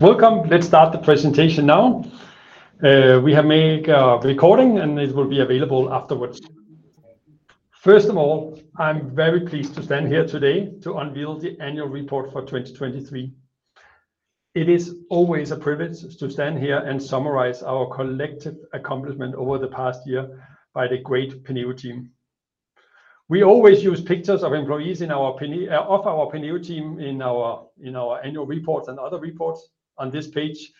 Welcome. Let's start the presentation now. We have made a recording, and it will be available afterwards. First of all, I'm very pleased to stand here today to unveil the annual report for 2023. It is always a privilege to stand here and summarize our collective accomplishment over the past year by the great Penneo team. We always use pictures of employees in our Penneo team in our annual reports and other reports on this page.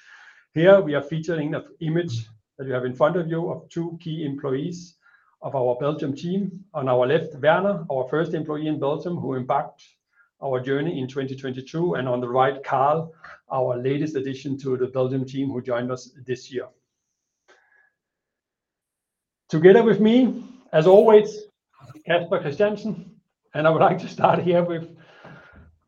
Here, we are featuring an image that you have in front of you of two key employees of our Belgium team. On our left, Werner, our first employee in Belgium, who embarked our journey in 2022, and on the right, Karel, our latest addition to the Belgium team who joined us this year. Together with me, as always, Casper Christiansen, and I would like to start here with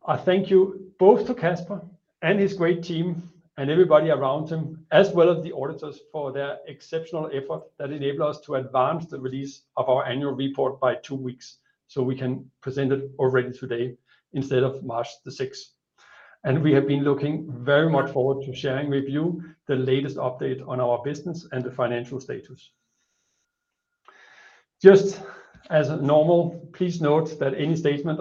a thank you both to Casper and his great team and everybody around him, as well as the auditors, for their exceptional effort that enabled us to advance the release of our annual report by two weeks so we can present it already today instead of March the 6th. We have been looking very much forward to sharing with you the latest update on our business and the financial status. Just as normal, please note that any statement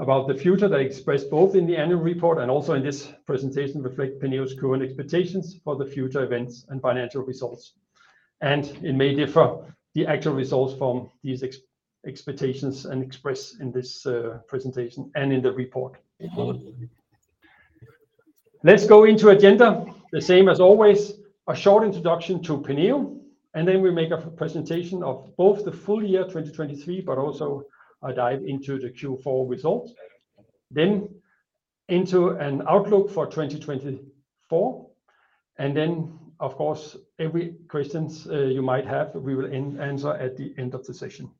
about the future that expressed both in the annual report and also in this presentation reflects Penneo's current expectations for the future events and financial results. It may differ the actual results from these expectations and expressed in this presentation and in the report. Let's go into agenda. The same as always, a short introduction to Penneo, and then we make a presentation of both the full year 2023 but also a dive into the Q4 results, then into an outlook for 2024, and then, of course, every questions you might have, we will answer at the end of the session.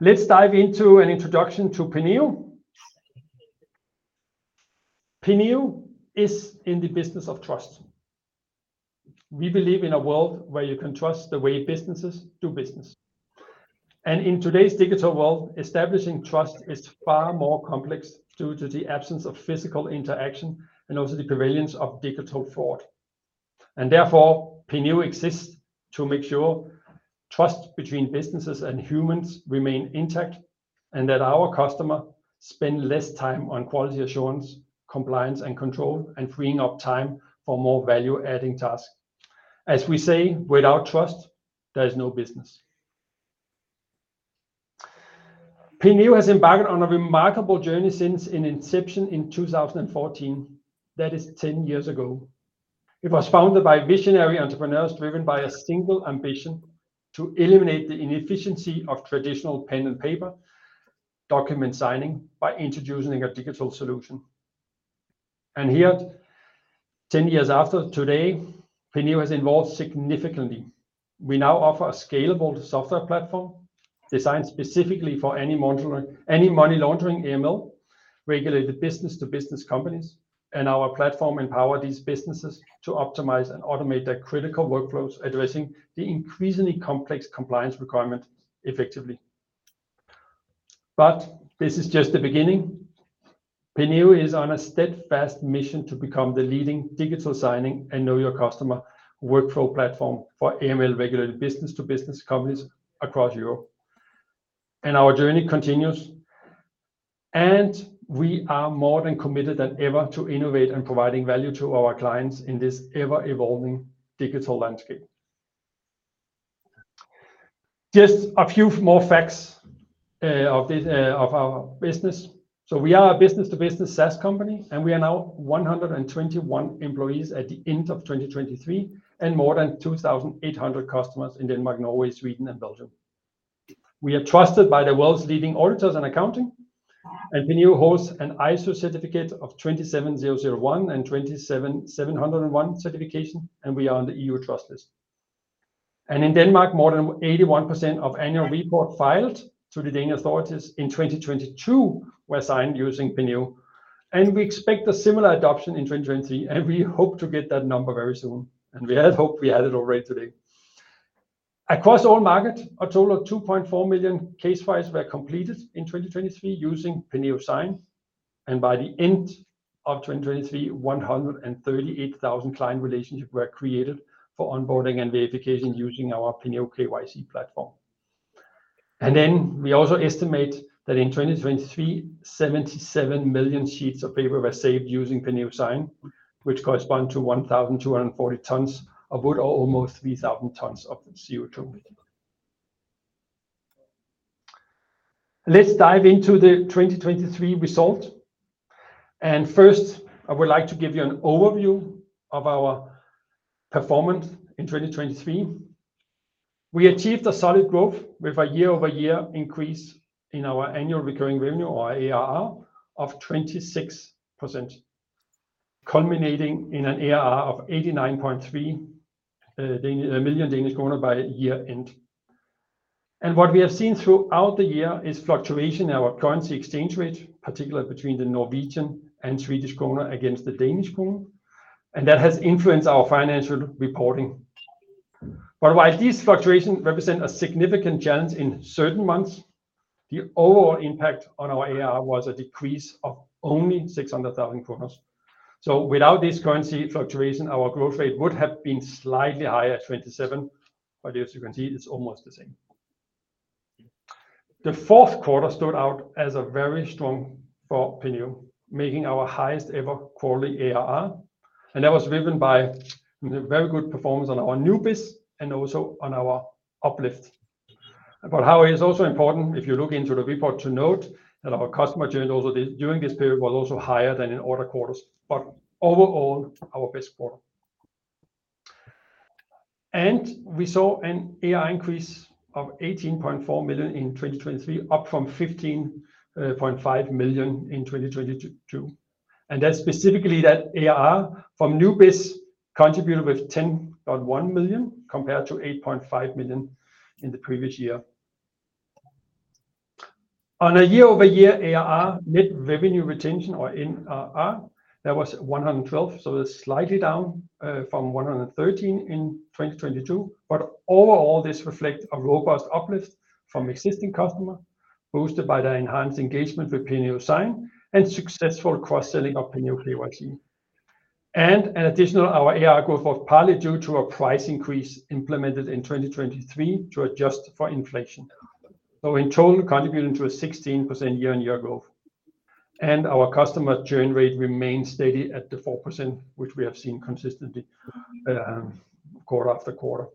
Let's dive into an introduction to Penneo. Penneo is in the business of trust. We believe in a world where you can trust the way businesses do business. In today's digital world, establishing trust is far more complex due to the absence of physical interaction and also the prevalence of digital fraud. Therefore, Penneo exists to make sure trust between businesses and humans remains intact and that our customers spend less time on quality assurance, compliance, and control, and freeing up time for more value-adding tasks. As we say, without trust, there is no business. Penneo has embarked on a remarkable journey since inception in 2014. That is 10 years ago. It was founded by visionary entrepreneurs driven by a single ambition to eliminate the inefficiency of traditional pen and paper document signing by introducing a digital solution. Here, 10 years after today, Penneo has evolved significantly. We now offer a scalable software platform designed specifically for anti-money laundering AML regulated business-to-business companies, and our platform empowers these businesses to optimize and automate their critical workflows, addressing the increasingly complex compliance requirements effectively. This is just the beginning. Penneo is on a steadfast mission to become the leading digital signing and know-your-customer workflow platform for AML regulated business-to-business companies across Europe. Our journey continues, and we are more than committed than ever to innovate and providing value to our clients in this ever-evolving digital landscape. Just a few more facts of this of our business. So we are a business-to-business SaaS company, and we are now 121 employees at the end of 2023 and more than 2,800 customers in Denmark, Norway, Sweden, and Belgium. We are trusted by the world's leading auditors and accounting, and Penneo holds an ISO 27001 and 27701 certification, and we are on the EU Trust List. In Denmark, more than 81% of annual reports filed to the Danish authorities in 2022 were signed using Penneo, and we expect a similar adoption in 2023, and we hope to get that number very soon. And we had hope we had it already today. Across all markets, a total of 2.4 million case files were completed in 2023 using Penneo Sign, and by the end of 2023, 138,000 client relationships were created for onboarding and verification using our Penneo KYC platform. We also estimate that in 2023, 77 million sheets of paper were saved using Penneo Sign, which corresponds to 1,240 tons of wood or almost 3,000 tons of CO2. Let's dive into the 2023 result. First, I would like to give you an overview of our performance in 2023. We achieved a solid growth with a year-over-year increase in our annual recurring revenue, or ARR, of 26%, culminating in an ARR of 89.3 million Danish kroner by year-end. What we have seen throughout the year is fluctuation in our currency exchange rate, particularly between the Norwegian and Swedish kroner against the Danish krone, and that has influenced our financial reporting. But while these fluctuations represent a significant challenge in certain months, the overall impact on our ARR was a decrease of only 600,000. So without this currency fluctuation, our growth rate would have been slightly higher at 27%, but as you can see, it's almost the same. The fourth quarter stood out as very strong for Penneo, making our highest-ever quarterly ARR, and that was driven by the very good performance on our new biz and also on our uplift. But it is also important, if you look into the report, to note that our customer journey also during this period was also higher than in other quarters, but overall, our best quarter. We saw an ARR increase of 18.4 million in 2023, up from 15.5 million in 2022. That's specifically that ARR from new biz contributed with 10.1 million compared to 8.5 million in the previous year. On a year-over-year ARR, net revenue retention, or NRR, that was 112, so it was slightly down, from 113 in 2022. But overall, this reflects a robust uplift from existing customers, boosted by their enhanced engagement with Penneo Sign and successful cross-selling of Penneo KYC. And an additional, our ARR growth was partly due to a price increase implemented in 2023 to adjust for inflation, so in total, contributing to a 16% year-on-year growth. Our customer churn rate remains steady at the 4%, which we have seen consistently, quarter after quarter.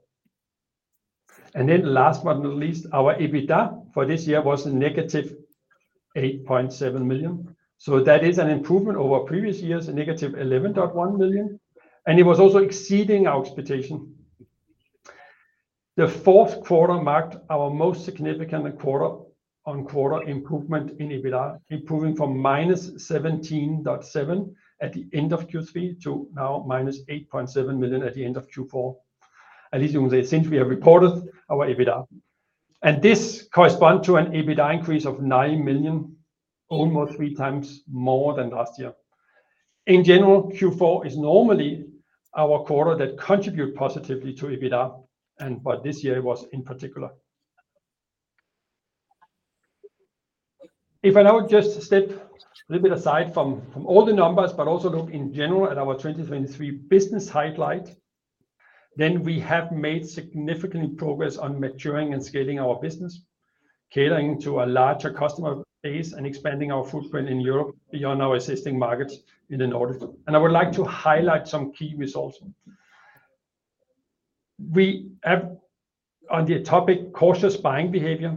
Then last but not least, our EBITDA for this year was -8.7 million. So that is an improvement over previous years, -11.1 million, and it was also exceeding our expectation. The fourth quarter marked our most significant quarter-on-quarter improvement in EBITDA, improving from minus 17.7 at the end of Q3 to now minus 8.7 million at the end of Q4, at least you can say, since we have reported our EBITDA. And this corresponds to an EBITDA increase of 9 million, almost three times more than last year. In general, Q4 is normally our quarter that contributes positively to EBITDA, and but this year it was in particular. If I now just step a little bit aside from all the numbers but also look in general at our 2023 business highlight, then we have made significant progress on maturing and scaling our business, catering to a larger customer base, and expanding our footprint in Europe beyond our existing markets in the Nordics. I would like to highlight some key results. We have, on the topic of cautious buying behavior,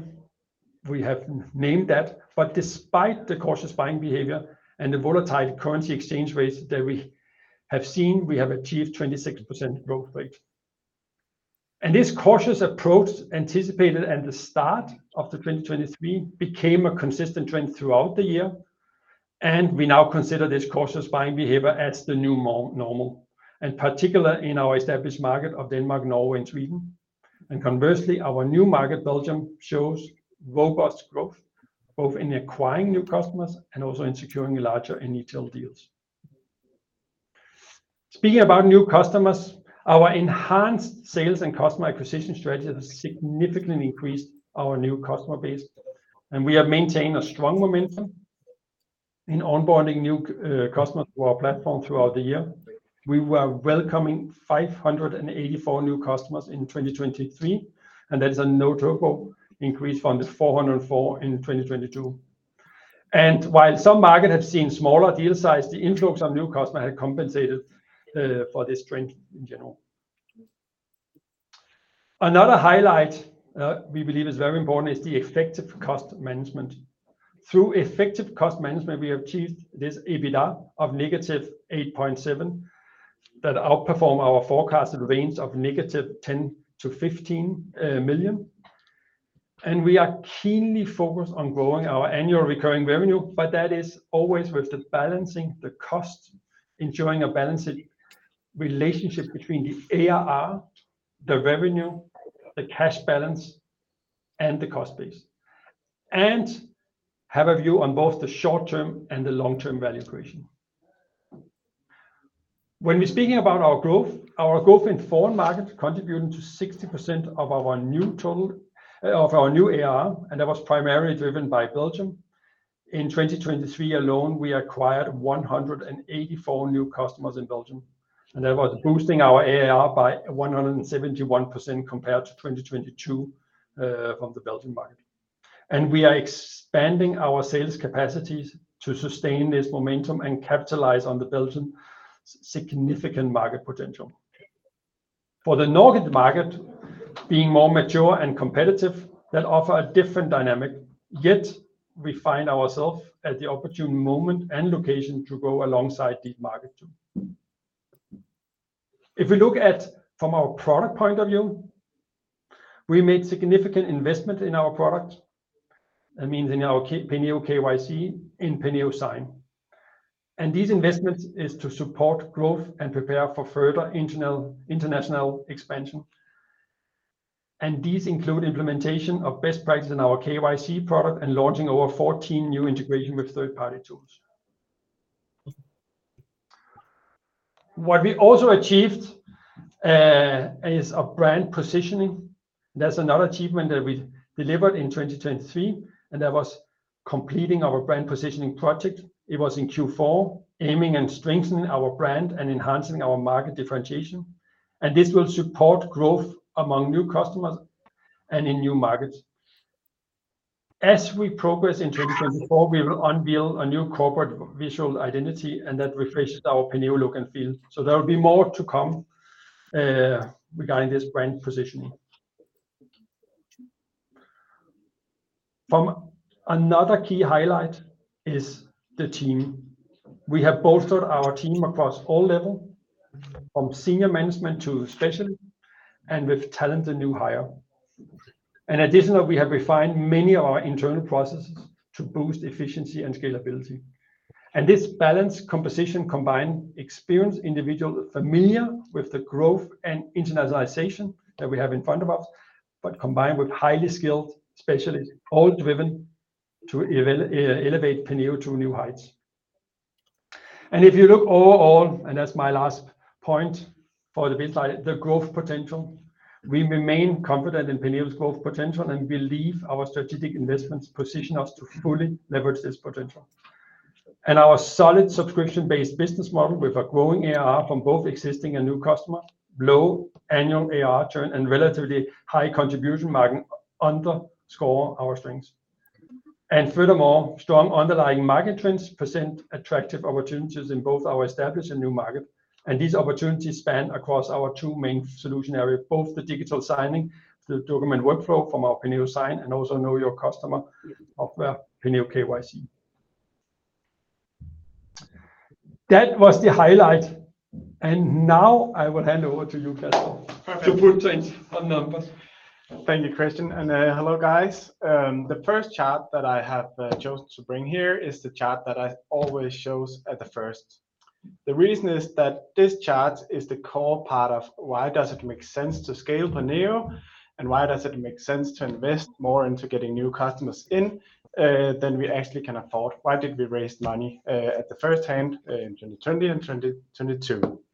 we have named that, but despite the cautious buying behavior and the volatile currency exchange rates that we have seen, we have achieved 26% growth rate. This cautious approach anticipated at the start of 2023 became a consistent trend throughout the year, and we now consider this cautious buying behavior as the new normal, and particularly in our established market of Denmark, Norway, and Sweden. Conversely, our new market, Belgium, shows robust growth both in acquiring new customers and also in securing larger and retail deals. Speaking about new customers, our enhanced sales and customer acquisition strategies have significantly increased our new customer base, and we have maintained a strong momentum in onboarding new customers to our platform throughout the year. We were welcoming 584 new customers in 2023, and that is a notable increase from the 404 in 2022. While some markets have seen smaller deal sizes, the influx of new customers has compensated for this trend in general. Another highlight we believe is very important is the effective cost management. Through effective cost management, we have achieved this EBITDA of -8.7 million that outperformed our forecasted range of -10 million to -15 million. We are keenly focused on growing our annual recurring revenue, but that is always with balancing the costs, ensuring a balanced relationship between the ARR, the revenue, the cash balance, and the cost base, and have a view on both the short-term and the long-term value creation. When we're speaking about our growth, our growth in foreign markets contributed to 60% of our new total ARR, and that was primarily driven by Belgium. In 2023 alone, we acquired 184 new customers in Belgium, and that was boosting our ARR by 171% compared to 2022, from the Belgian market. We are expanding our sales capacities to sustain this momentum and capitalize on Belgium's significant market potential. For the Nordic market, being more mature and competitive, that offers a different dynamic, yet we find ourselves at the opportune moment and location to grow alongside the market too. If we look at from our product point of view, we made significant investments in our product, that means in our Penneo KYC, in Penneo Sign. These investments are to support growth and prepare for further internal international expansion. These include implementation of best practices in our KYC product and launching over 14 new integrations with third-party tools. What we also achieved is brand positioning. That's another achievement that we delivered in 2023, and that was completing our brand positioning project. It was in Q4, aiming and strengthening our brand and enhancing our market differentiation. This will support growth among new customers and in new markets. As we progress in 2024, we will unveil a new corporate visual identity, and that refreshes our Penneo look and feel. So there will be more to come, regarding this brand positioning. From another key highlight is the team. We have bolstered our team across all levels, from senior management to specialists, and with talented new hires. Additionally, we have refined many of our internal processes to boost efficiency and scalability. This balanced composition combines experienced individuals familiar with the growth and internationalization that we have in front of us, but combined with highly skilled specialists, all driven to elevate Penneo to new heights. If you look overall, and that's my last point for the build slide, the growth potential, we remain confident in Penneo's growth potential and believe our strategic investments position us to fully leverage this potential. Our solid subscription-based business model with a growing ARR from both existing and new customers, low annual ARR churn, and relatively high contribution margin underscore our strengths. Furthermore, strong underlying market trends present attractive opportunities in both our established and new markets. These opportunities span across our two main solution areas, both the digital signing, the document workflow from our Penneo Sign, and also know-your-customer software, Penneo KYC. That was the highlight. Now I will hand over to you, Casper, to put things on numbers. Thank you, Christian. Hello, guys. The first chart that I have chosen to bring here is the chart that I always show at the first. The reason is that this chart is the core part of why does it make sense to scale Penneo, and why does it make sense to invest more into getting new customers in than we actually can afford. Why did we raise money, at the first hand, in 2020 and 2022?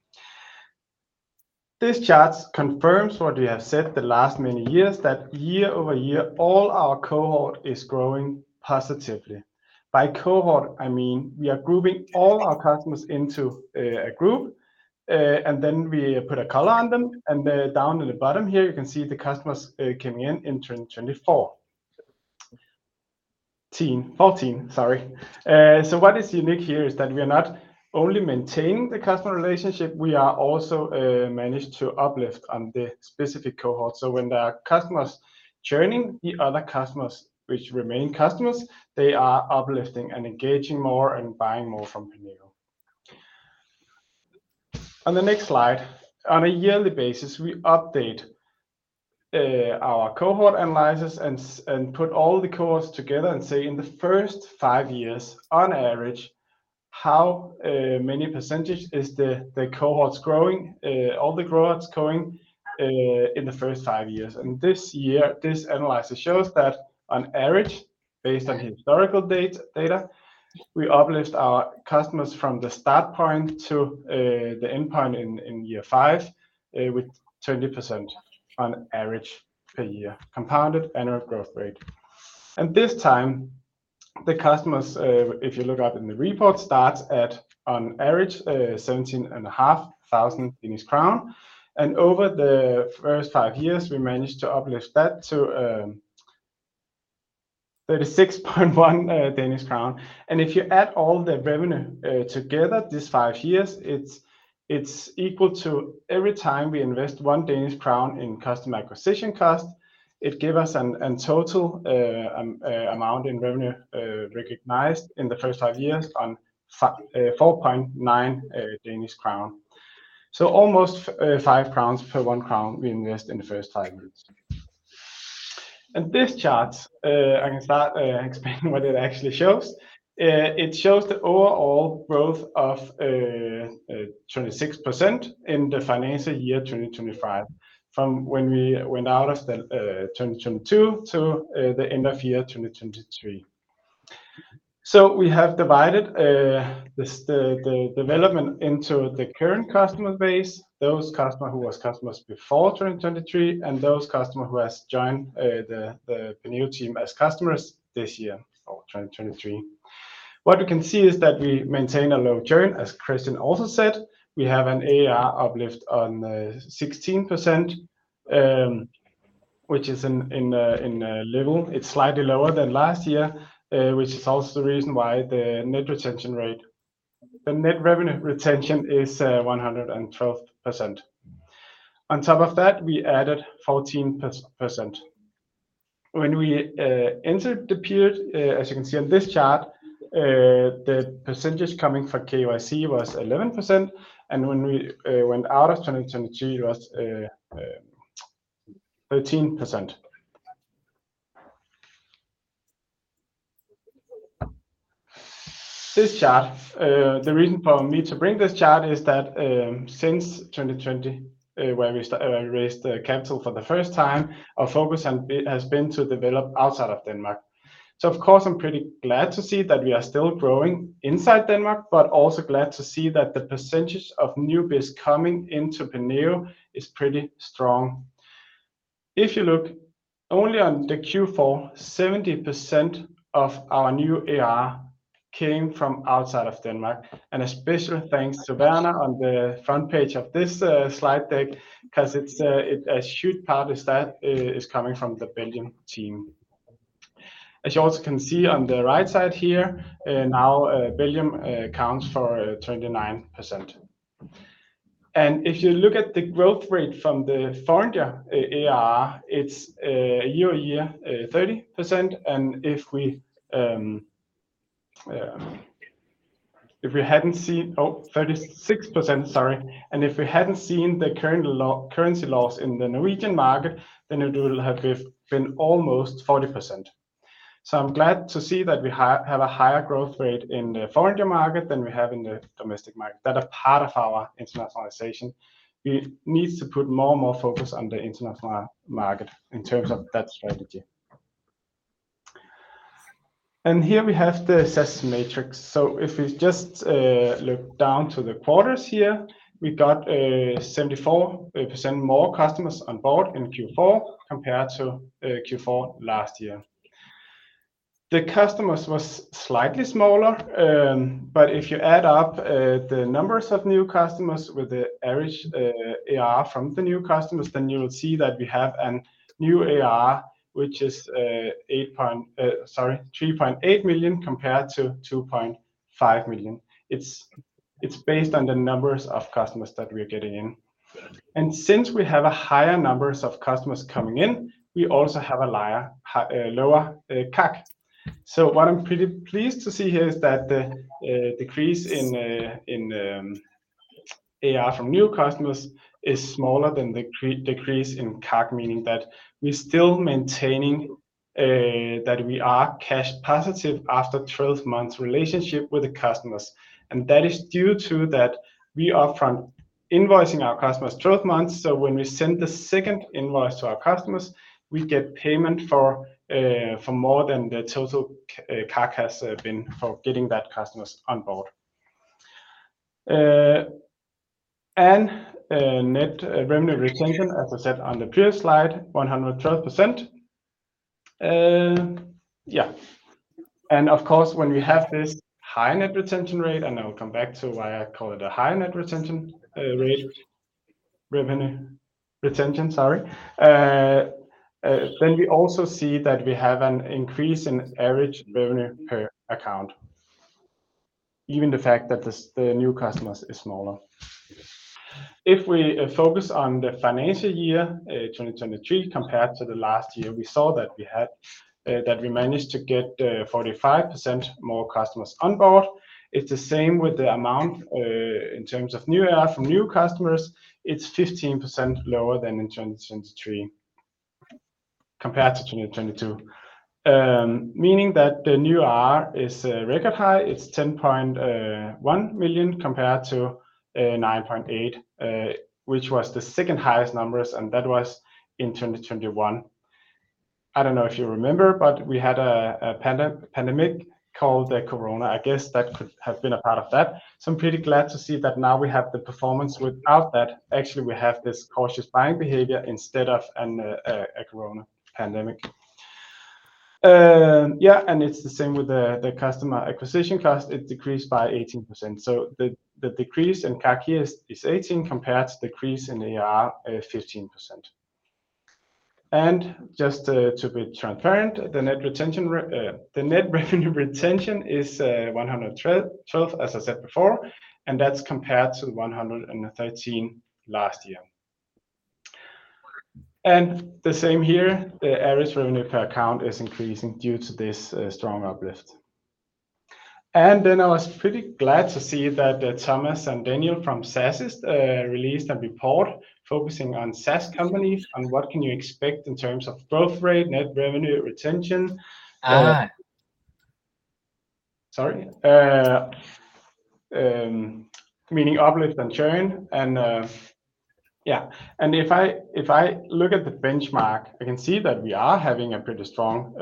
This chart confirms what we have said the last many years, that year over year, all our cohort is growing positively. By cohort, I mean we are grouping all our customers into a group, and then we put a color on them. Down in the bottom here, you can see the customers coming in in 2024. Then, 14, sorry. So what is unique here is that we are not only maintaining the customer relationship, we are also managing to uplift on the specific cohort. So when there are customers joining, the other customers, which remain customers, they are uplifting and engaging more and buying more from Penneo. On the next slide, on a yearly basis, we update our cohort analysis and put all the cohorts together and say, in the first five years, on average, how many percentage the cohorts growing, all the growths going, in the first five years. This year, this analysis shows that on average, based on historical data, we uplift our customers from the start point to the end point in year five, with 20% on average per year, compounded annual growth rate. This time, the customers, if you look up in the report, start at, on average, 17,500 crown. Over the first five years, we managed to uplift that to 36.1 Danish crown. If you add all the revenue together, these five years, it's equal to every time we invest 1 Danish crown in customer acquisition cost, it gives us a total amount in revenue, recognized in the first five years of 4.9 Danish crown. So almost 5 crowns per 1 crown we invest in the first five years. This chart, I can start explaining what it actually shows. It shows the overall growth of 26% in the financial year 2025, from when we went out of the 2022 to the end of year 2023. So we have divided this, the development into the current customer base, those customers who were customers before 2023, and those customers who have joined the Penneo team as customers this year or 2023. What you can see is that we maintain a low churn, as Christian also said. We have an ARR uplift of 16%, which is in line. It's slightly lower than last year, which is also the reason why the net retention rate, the net revenue retention is 112%. On top of that, we added 14%. When we entered the period, as you can see on this chart, the percentage coming from KYC was 11%. And when we went out of 2023, it was 13%. This chart, the reason for me to bring this chart is that, since 2020, where we raised the capital for the first time, our focus has been to develop outside of Denmark. So, of course, I'm pretty glad to see that we are still growing inside Denmark, but also glad to see that the percentage of new biz coming into Penneo is pretty strong. If you look only on the Q4, 70% of our new ARR came from outside of Denmark. A special thanks to Werner on the front page of this slide deck, because a huge part of that is coming from the Belgian team. As you also can see on the right side here, now Belgium accounts for 29%. And if you look at the growth rate from the foreign ARR, it's year-over-year 30%. If we hadn't seen 36%, sorry. If we hadn't seen the current currency loss in the Norwegian market, then it would have been almost 40%. So I'm glad to see that we have a higher growth rate in the foreign market than we have in the domestic market that is part of our internationalization. We need to put more and more focus on the international market in terms of that strategy. Here we have the SaaS metrics. So if we just look down to the quarters here, we got 74% more customers on board in Q4 compared to Q4 last year. The customers were slightly smaller, but if you add up the numbers of new customers with the average ARR from the new customers, then you will see that we have an. New ARR, which is, sorry, 3.8 million compared to 2.5 million. It's based on the numbers of customers that we are getting in. And since we have a higher number of customers coming in, we also have a lower CAC. So what I'm pretty pleased to see here is that the decrease in ARR from new customers is smaller than the decrease in CAC, meaning that we're still maintaining that we are cash positive after 12 months relationship with the customers. And that is due to that we are invoicing our customers 12 months. So when we send the second invoice to our customers, we get payment for more than the total CAC has been for getting that customers on board. And net revenue retention, as I said on the previous slide, 112%. Yeah. Of course, when we have this high net retention rate, and I will come back to why I call it a high net retention rate, revenue retention, sorry, then we also see that we have an increase in average revenue per account, even the fact that the new customers are smaller. If we focus on the financial year 2023 compared to the last year, we saw that we managed to get 45% more customers on board. It's the same with the amount in terms of new ARR from new customers. It's 15% lower than in 2023 compared to 2022, meaning that the new ARR is record high. It's 10.1 million compared to 9.8 million, which was the second highest numbers, and that was in 2021. I don't know if you remember, but we had a pandemic called Corona. I guess that could have been a part of that. So I'm pretty glad to see that now we have the performance without that. Actually, we have this cautious buying behavior instead of a Corona pandemic. Yeah. And it's the same with the customer acquisition cost. It decreased by 18%. So the decrease in CAC here is 18% compared to decrease in ARR, 15%. And just to be transparent, the net retention is 112%, as I said before, and that's compared to 113% last year. And the same here, the average revenue per account is increasing due to this strong uplift. And then I was pretty glad to see that Thomas and Daniel from SaaSiest released a report focusing on SaaS companies, on what can you expect in terms of growth rate, net revenue retention. Sorry, meaning uplift and churn. Yeah. If I if I look at the benchmark, I can see that we are having a pretty strong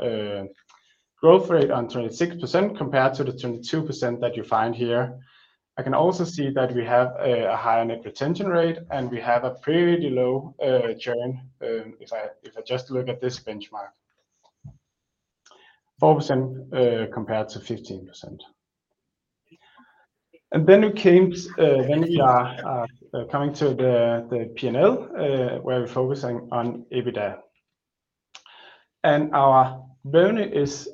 growth rate on 26% compared to the 22% that you find here. I can also see that we have a higher net retention rate, and we have a pretty low churn, if I if I just look at this benchmark, 4% compared to 15%. Then we came to then we are coming to the Penneo, where we're focusing on EBITDA. Our revenue is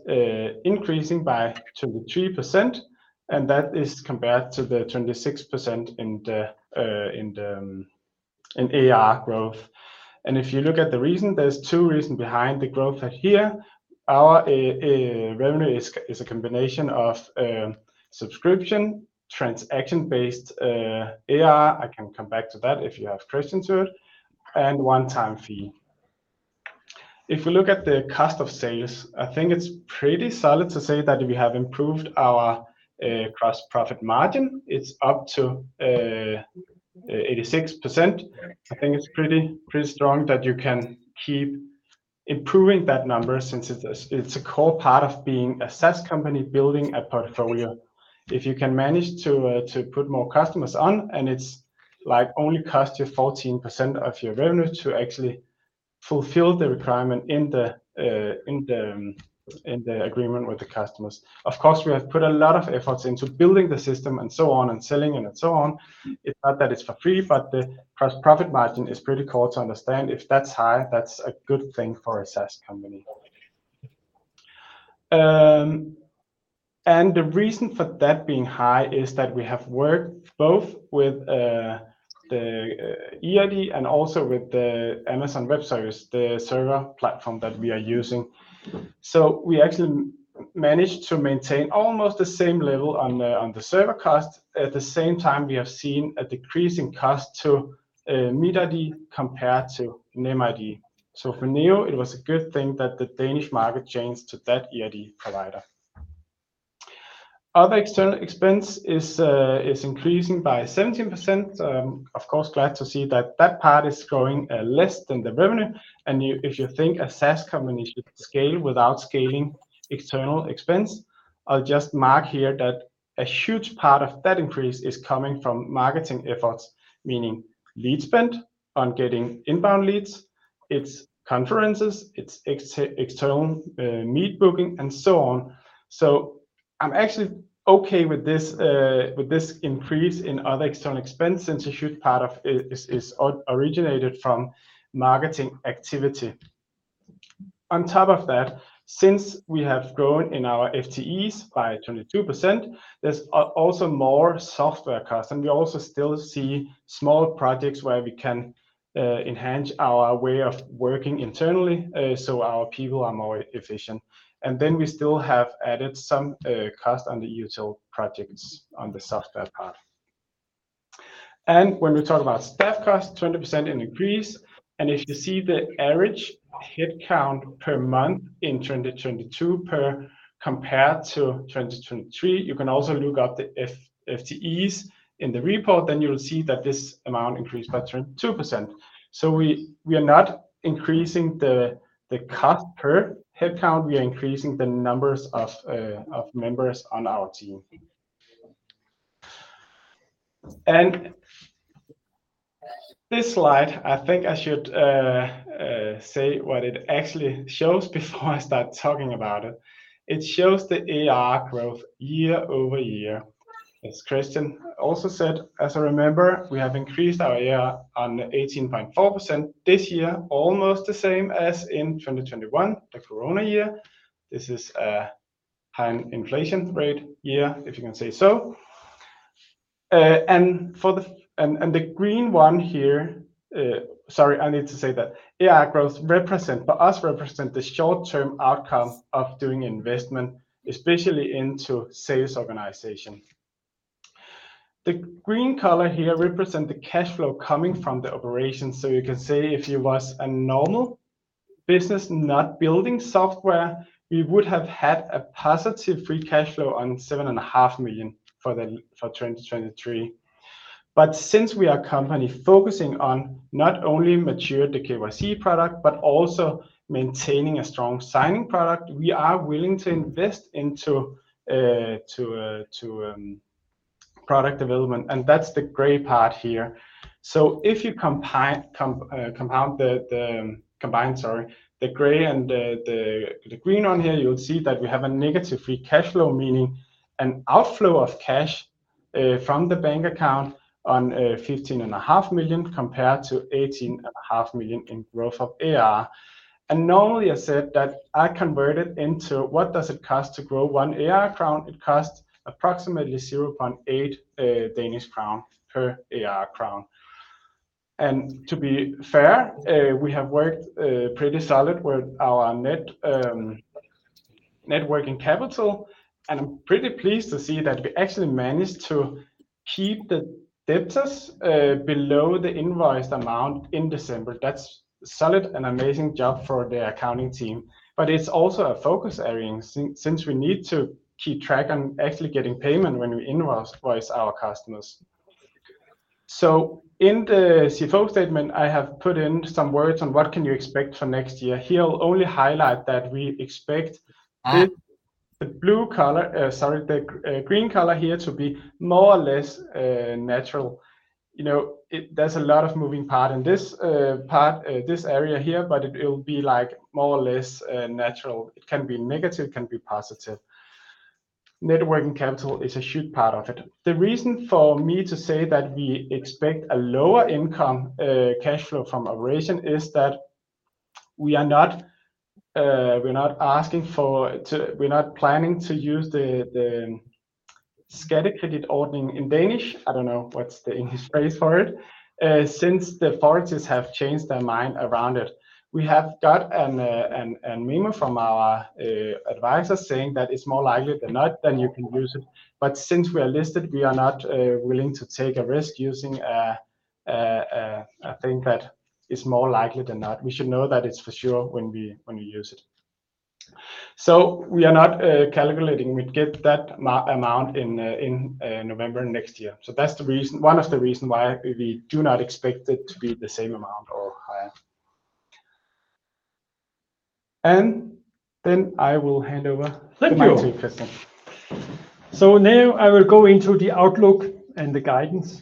increasing by 23%, and that is compared to the 26% in the ARR growth. If you look at the reason, there's two reasons behind the growth right here. Our revenue is a combination of subscription, transaction-based ARR. I can come back to that if you have questions to it, and one-time fee. If we look at the cost of sales, I think it's pretty solid to say that we have improved our gross profit margin. It's up to 86%. I think it's pretty pretty strong that you can keep improving that number since it's a core part of being a SaaS company, building a portfolio. If you can manage to put more customers on, and it's like only cost you 14% of your revenue to actually fulfill the requirement in the agreement with the customers. Of course, we have put a lot of efforts into building the system and so on and selling it and so on. It's not that it's for free, but the gross profit margin is pretty core to understand. If that's high, that's a good thing for a SaaS company. And the reason for that being high is that we have worked both with the eID and also with Amazon Web Services, the server platform that we are using. So we actually managed to maintain almost the same level on the server cost. At the same time, we have seen a decreasing cost to MitID compared to NemID. So for Penneo, it was a good thing that the Danish market changed to that eID provider. Other external expense is increasing by 17%. Of course, glad to see that that part is growing less than the revenue. And if you think a SaaS company should scale without scaling external expense, I'll just mark here that a huge part of that increase is coming from marketing efforts, meaning lead spend on getting inbound leads, it's conferences, it's external meet booking, and so on. So I'm actually okay with this increase in other external expense since a huge part of it is originated from marketing activity. On top of that, since we have grown in our FTEs by 22%, there's also more software cost. And we also still see small projects where we can enhance our way of working internally, so our people are more efficient. And then we still have added some cost on the utility projects, on the software part. And when we talk about staff cost, 20% increase. And if you see the average headcount per month in 2022 compared to 2023, you can also look up the FTEs in the report. Then you'll see that this amount increased by 22%. So we are not increasing the cost per headcount. We are increasing the numbers of members on our team. This slide, I think I should say what it actually shows before I start talking about it. It shows the ARR growth year-over-year. As Christian also said, as I remember, we have increased our ARR on 18.4% this year, almost the same as in 2021, the Corona year. This is a high inflation rate year, if you can say so. For the green one here sorry, I need to say that ARR growth represents for us the short-term outcome of doing investment, especially into sales organization. The green color here represents the cash flow coming from the operations. So you can say if it was a normal business not building software, we would have had a positive free cash flow on 7.5 million for 2023. But since we are a company focusing on not only maturing the KYC product, but also maintaining a strong signing product, we are willing to invest into product development. And that's the gray part here. So if you compound the sorry, the gray and the green on here, you'll see that we have a negative free cash flow, meaning an outflow of cash from the bank account of 15.5 million compared to 18.5 million in growth of ARR. And normally, I said that I convert it into what does it cost to grow one ARR crown? It costs approximately 0.8 Danish crown per ARR crown. And to be fair, we have worked pretty solid with our working capital. And I'm pretty pleased to see that we actually managed to keep the debtors below the invoiced amount in December. That's a solid and amazing job for the accounting team. But it's also a focus area since we need to keep track on actually getting payment when we invoice our customers. So in the CFO statement, I have put in some words on what can you expect for next year. Here I'll only highlight that we expect this the blue color sorry, the green color here to be more or less natural. You know, there's a lot of moving part in this part, this area here, but it will be like more or less natural. It can be negative, it can be positive. Working capital is a huge part of it. The reason for me to say that we expect a lower income cash flow from operation is that we are not planning to use the Skattekreditordningen in Danish. I don't know what's the English phrase for it, since the authorities have changed their mind around it. We have got a memo from our advisor saying that it's more likely than not than you can use it. But since we are listed, we are not willing to take a risk using a thing that is more likely than not. We should know that it's for sure when we use it. So we are not calculating we'd get that amount in November next year. So that's the reason, one of the reasons why we do not expect it to be the same amount or higher. And then I will hand over. Thank you. To Christian. So now I will go into the Outlook and the guidance.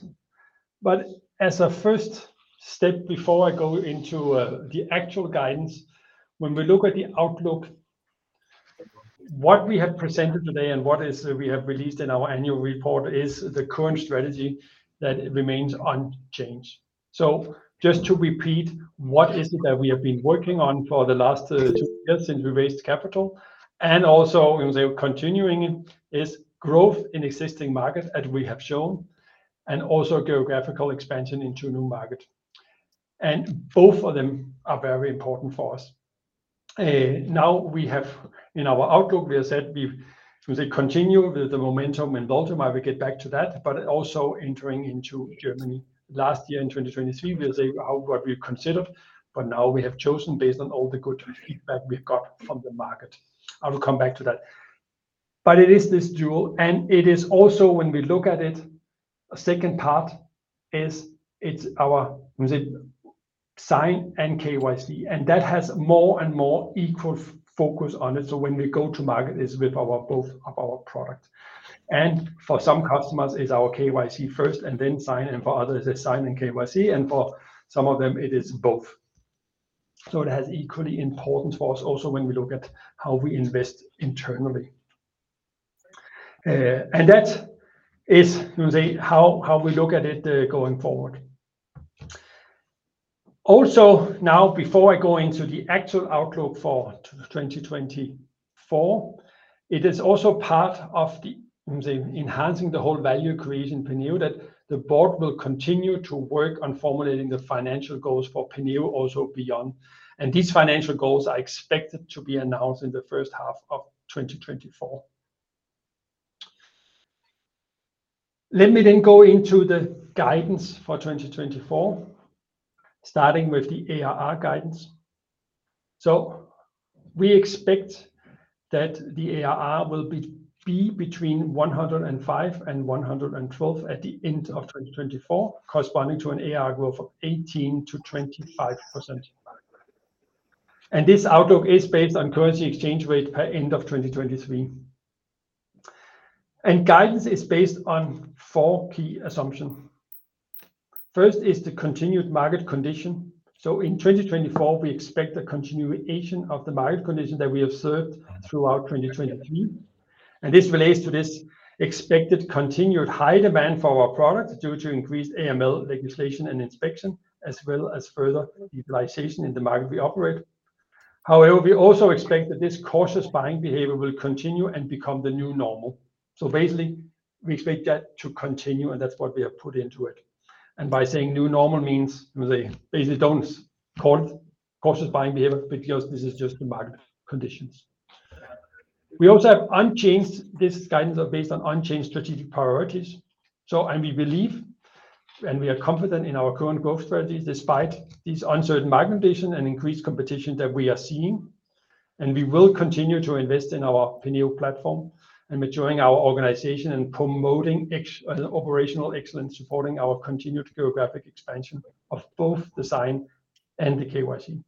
But as a first step before I go into the actual guidance, when we look at the Outlook, what we have presented today and what we have released in our annual report is the current strategy that remains unchanged. So just to repeat, what is it that we have been working on for the last two years since we raised capital? And also, I'm going to say continuing it, is growth in existing markets as we have shown, and also geographical expansion into a new market. And both of them are very important for us. Now we have in our Outlook, we have said we continue with the momentum in the Nordics. We get back to that. But also entering into Germany. Last year in 2023, we'll say what we considered. But now we have chosen based on all the good feedback we've got from the market. I will come back to that. But it is this dual. And it is also when we look at it, a second part is it's our Sign and KYC. And that has more and more equal focus on it. So when we go to market is with both of our products. And for some customers, it's our KYC first and then Sign. And for others, it's Sign and KYC. And for some of them, it is both. So it has equally importance for us also when we look at how we invest internally. And that is how we look at it going forward. Also, now before I go into the actual Outlook for 2024, it is also part of the enhancing the whole value creation Penneo that the board will continue to work on formulating the financial goals for Penneo also beyond. These financial goals are expected to be announced in the first half of 2024. Let me then go into the guidance for 2024, starting with the ARR guidance. We expect that the ARR will be between 105% and 112% at the end of 2024, corresponding to an ARR growth of 18%-25%. This Outlook is based on currency exchange rate per end of 2023. Guidance is based on four key assumptions. First is the continued market condition. In 2024, we expect a continuation of the market condition that we observed throughout 2023. This relates to this expected continued high demand for our product due to increased AML legislation and inspection, as well as further utilization in the market we operate. However, we also expect that this cautious buying behavior will continue and become the new normal. Basically, we expect that to continue, and that's what we have put into it. By saying "new normal" means basically don't call it cautious buying behavior because this is just the market conditions. We also have unchanged this guidance are based on unchanged strategic priorities. And we believe and we are confident in our current growth strategies despite these uncertain market conditions and increased competition that we are seeing. We will continue to invest in our Penneo platform and maturing our organization and promoting operational excellence, supporting our continued geographic expansion of both the Sign and the KYC.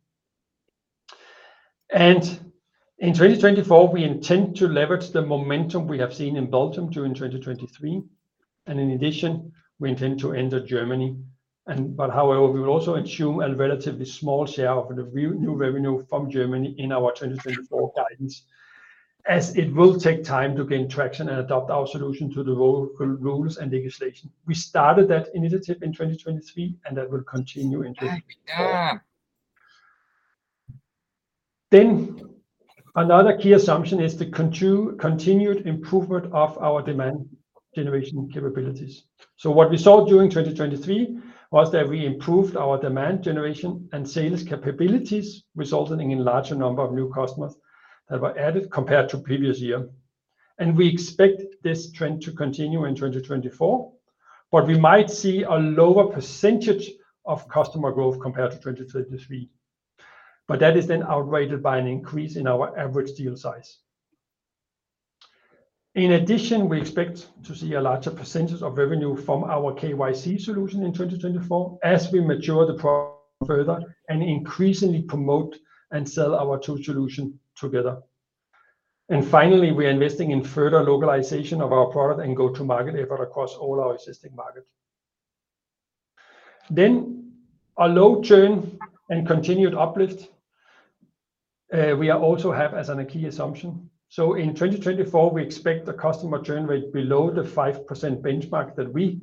In 2024, we intend to leverage the momentum we have seen in Belgium during 2023. In addition, we intend to enter Germany. And but however, we will also assume a relatively small share of the new revenue from Germany in our 2024 guidance, as it will take time to gain traction and adopt our solution to the local rules and legislation. We started that initiative in 2023, and that will continue into. Thank you. Then another key assumption is the continued improvement of our demand generation capabilities. So what we saw during 2023 was that we improved our demand generation and sales capabilities, resulting in a larger number of new customers that were added compared to previous year. And we expect this trend to continue in 2024, but we might see a lower percentage of customer growth compared to 2023. But that is then outweighed by an increase in our average deal size. In addition, we expect to see a larger percentage of revenue from our KYC solution in 2024 as we mature the product further and increasingly promote and sell our two solutions together. And finally, we are investing in further localization of our product and go-to-market effort across all our existing markets. Then a low churn and continued uplift we also have as a key assumption. In 2024, we expect a customer churn rate below the 5% benchmark that we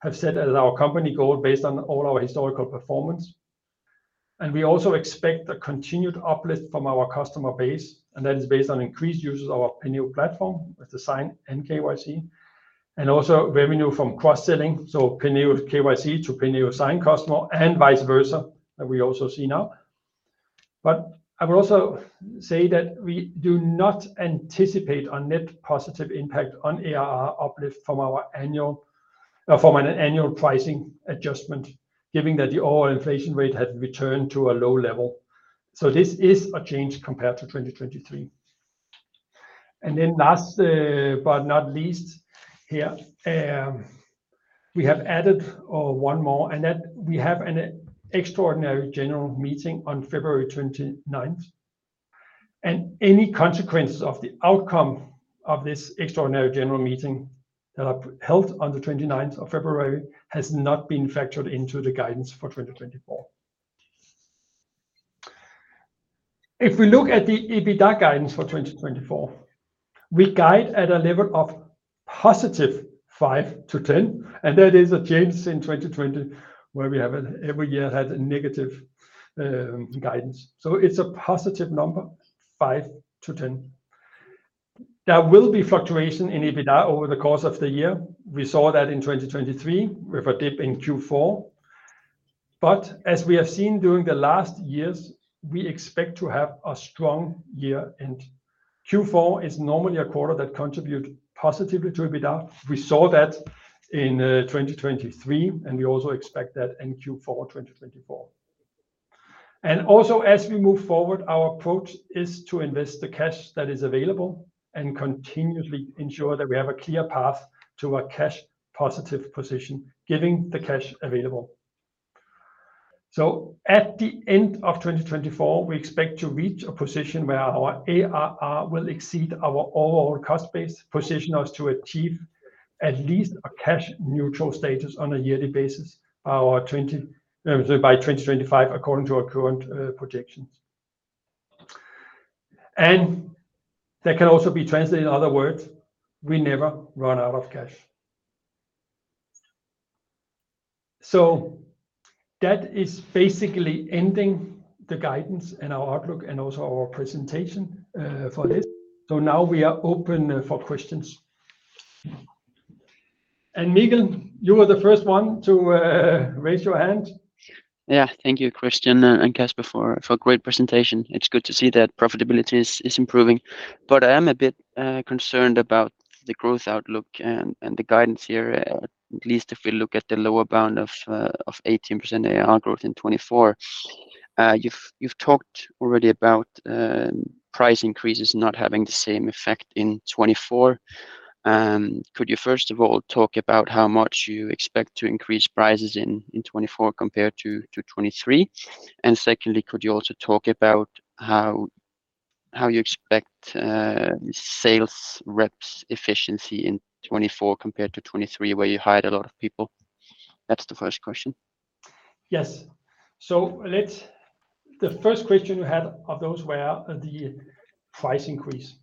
have set as our company goal based on all our historical performance. We also expect a continued uplift from our customer base, and that is based on increased uses of our Penneo platform with the Sign and KYC, and also revenue from cross-selling, so Penneo KYC to Penneo Sign customer and vice versa that we also see now. But I would also say that we do not anticipate a net positive impact on ARR uplift from our annual pricing adjustment, given that the overall inflation rate had returned to a low level. This is a change compared to 2023. Last but not least here, we have added one more, and that we have an extraordinary general meeting on February 29th. Any consequences of the outcome of this extraordinary general meeting that are held on the 29th of February has not been factored into the guidance for 2024. If we look at the EBITDA guidance for 2024, we guide at a level of positive 5-10. That is a change in 2020 where we have every year had a negative guidance. It's a positive number, 5-10. There will be fluctuation in EBITDA over the course of the year. We saw that in 2023 with a dip in Q4. But as we have seen during the last years, we expect to have a strong year-end. Q4 is normally a quarter that contributes positively to EBITDA. We saw that in 2023, and we also expect that in Q4 2024. And also, as we move forward, our approach is to invest the cash that is available and continuously ensure that we have a clear path to a cash-positive position, given the cash available. So at the end of 2024, we expect to reach a position where our ARR will exceed our overall cost base, positioning us to achieve at least a cash-neutral status on a yearly basis by 2025 according to our current projections. And that can also be translated, in other words, we never run out of cash. So that is basically ending the guidance and our Outlook and also our presentation for this. So now we are open for questions. And Mikkel, you were the first one to raise your hand. Yeah, thank you, Christian and Casper for a great presentation. It's good to see that profitability is improving. But I am a bit concerned about the growth outlook and the guidance here, at least if we look at the lower bound of 18% ARR growth in 2024. You've talked already about price increases not having the same effect in 2024. Could you first of all talk about how much you expect to increase prices in 2024 compared to 2023? And secondly, could you also talk about how you expect sales reps efficiency in 2024 compared to 2023 where you hired a lot of people? That's the first question. Yes. The first question you had of those were the price increase.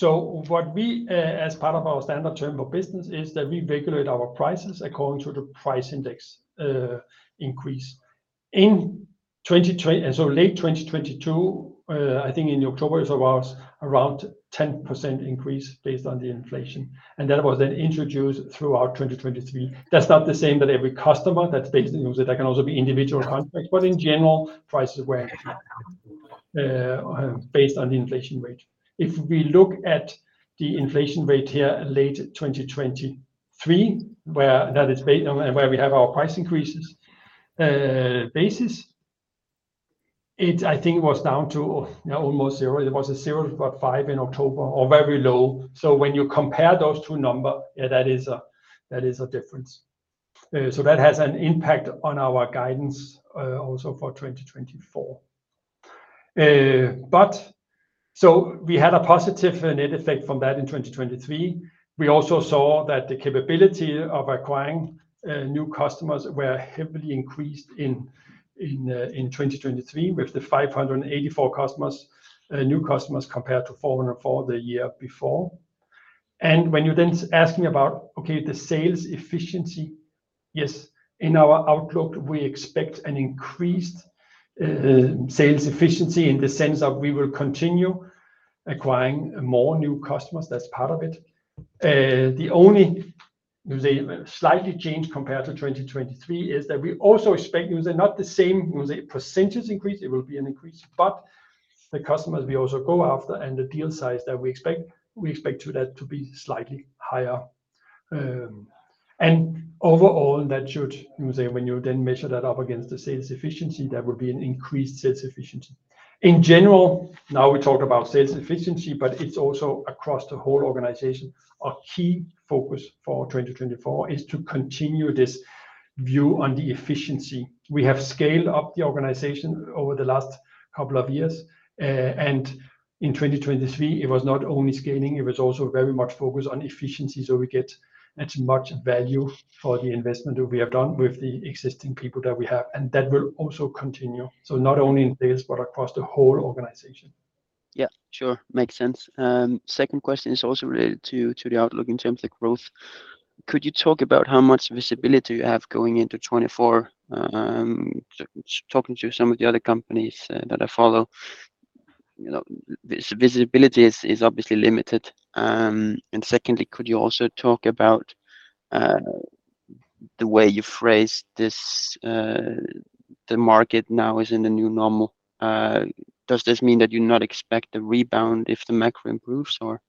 What we, as part of our standard term for business, is that we regulate our prices according to the price index increase. Late 2022, I think in October, it was around 10% increase based on the inflation. And that was then introduced throughout 2023. That's not the same that every customer that's basically using it. That can also be individual contracts. But in general, prices were based on the inflation rate. If we look at the inflation rate here late 2023, where that is based on and where we have our price increases basis, I think it was down to almost zero. It was a 0.5% in October or very low. So when you compare those two numbers, yeah, that is a difference. So that has an impact on our guidance also for 2024. So we had a positive net effect from that in 2023. We also saw that the capability of acquiring new customers were heavily increased in 2023 with the 584 new customers compared to 404 the year before. And when you then ask me about, okay, the sales efficiency, yes, in our outlook, we expect an increased sales efficiency in the sense of we will continue acquiring more new customers. That's part of it. The only slightly change compared to 2023 is that we also expect not the same percentage increase. It will be an increase, but the customers we also go after and the deal size that we expect, we expect that to be slightly higher. And overall, that should, when you then measure that up against the sales efficiency, there will be an increased sales efficiency. In general, now we talked about sales efficiency, but it's also across the whole organization. A key focus for 2024 is to continue this view on the efficiency. We have scaled up the organization over the last couple of years. And in 2023, it was not only scaling. It was also very much focused on efficiency. So we get as much value for the investment that we have done with the existing people that we have. And that will also continue. So not only in sales, but across the whole organization. Yeah, sure. Makes sense. Second question is also related to the outlook in terms of growth. Could you talk about how much visibility you have going into 2024? Talking to some of the other companies that I follow, visibility is obviously limited. And secondly, could you also talk about the way you phrase this, the market now is in the new normal? Does this mean that you not expect a rebound if the macro improves, or?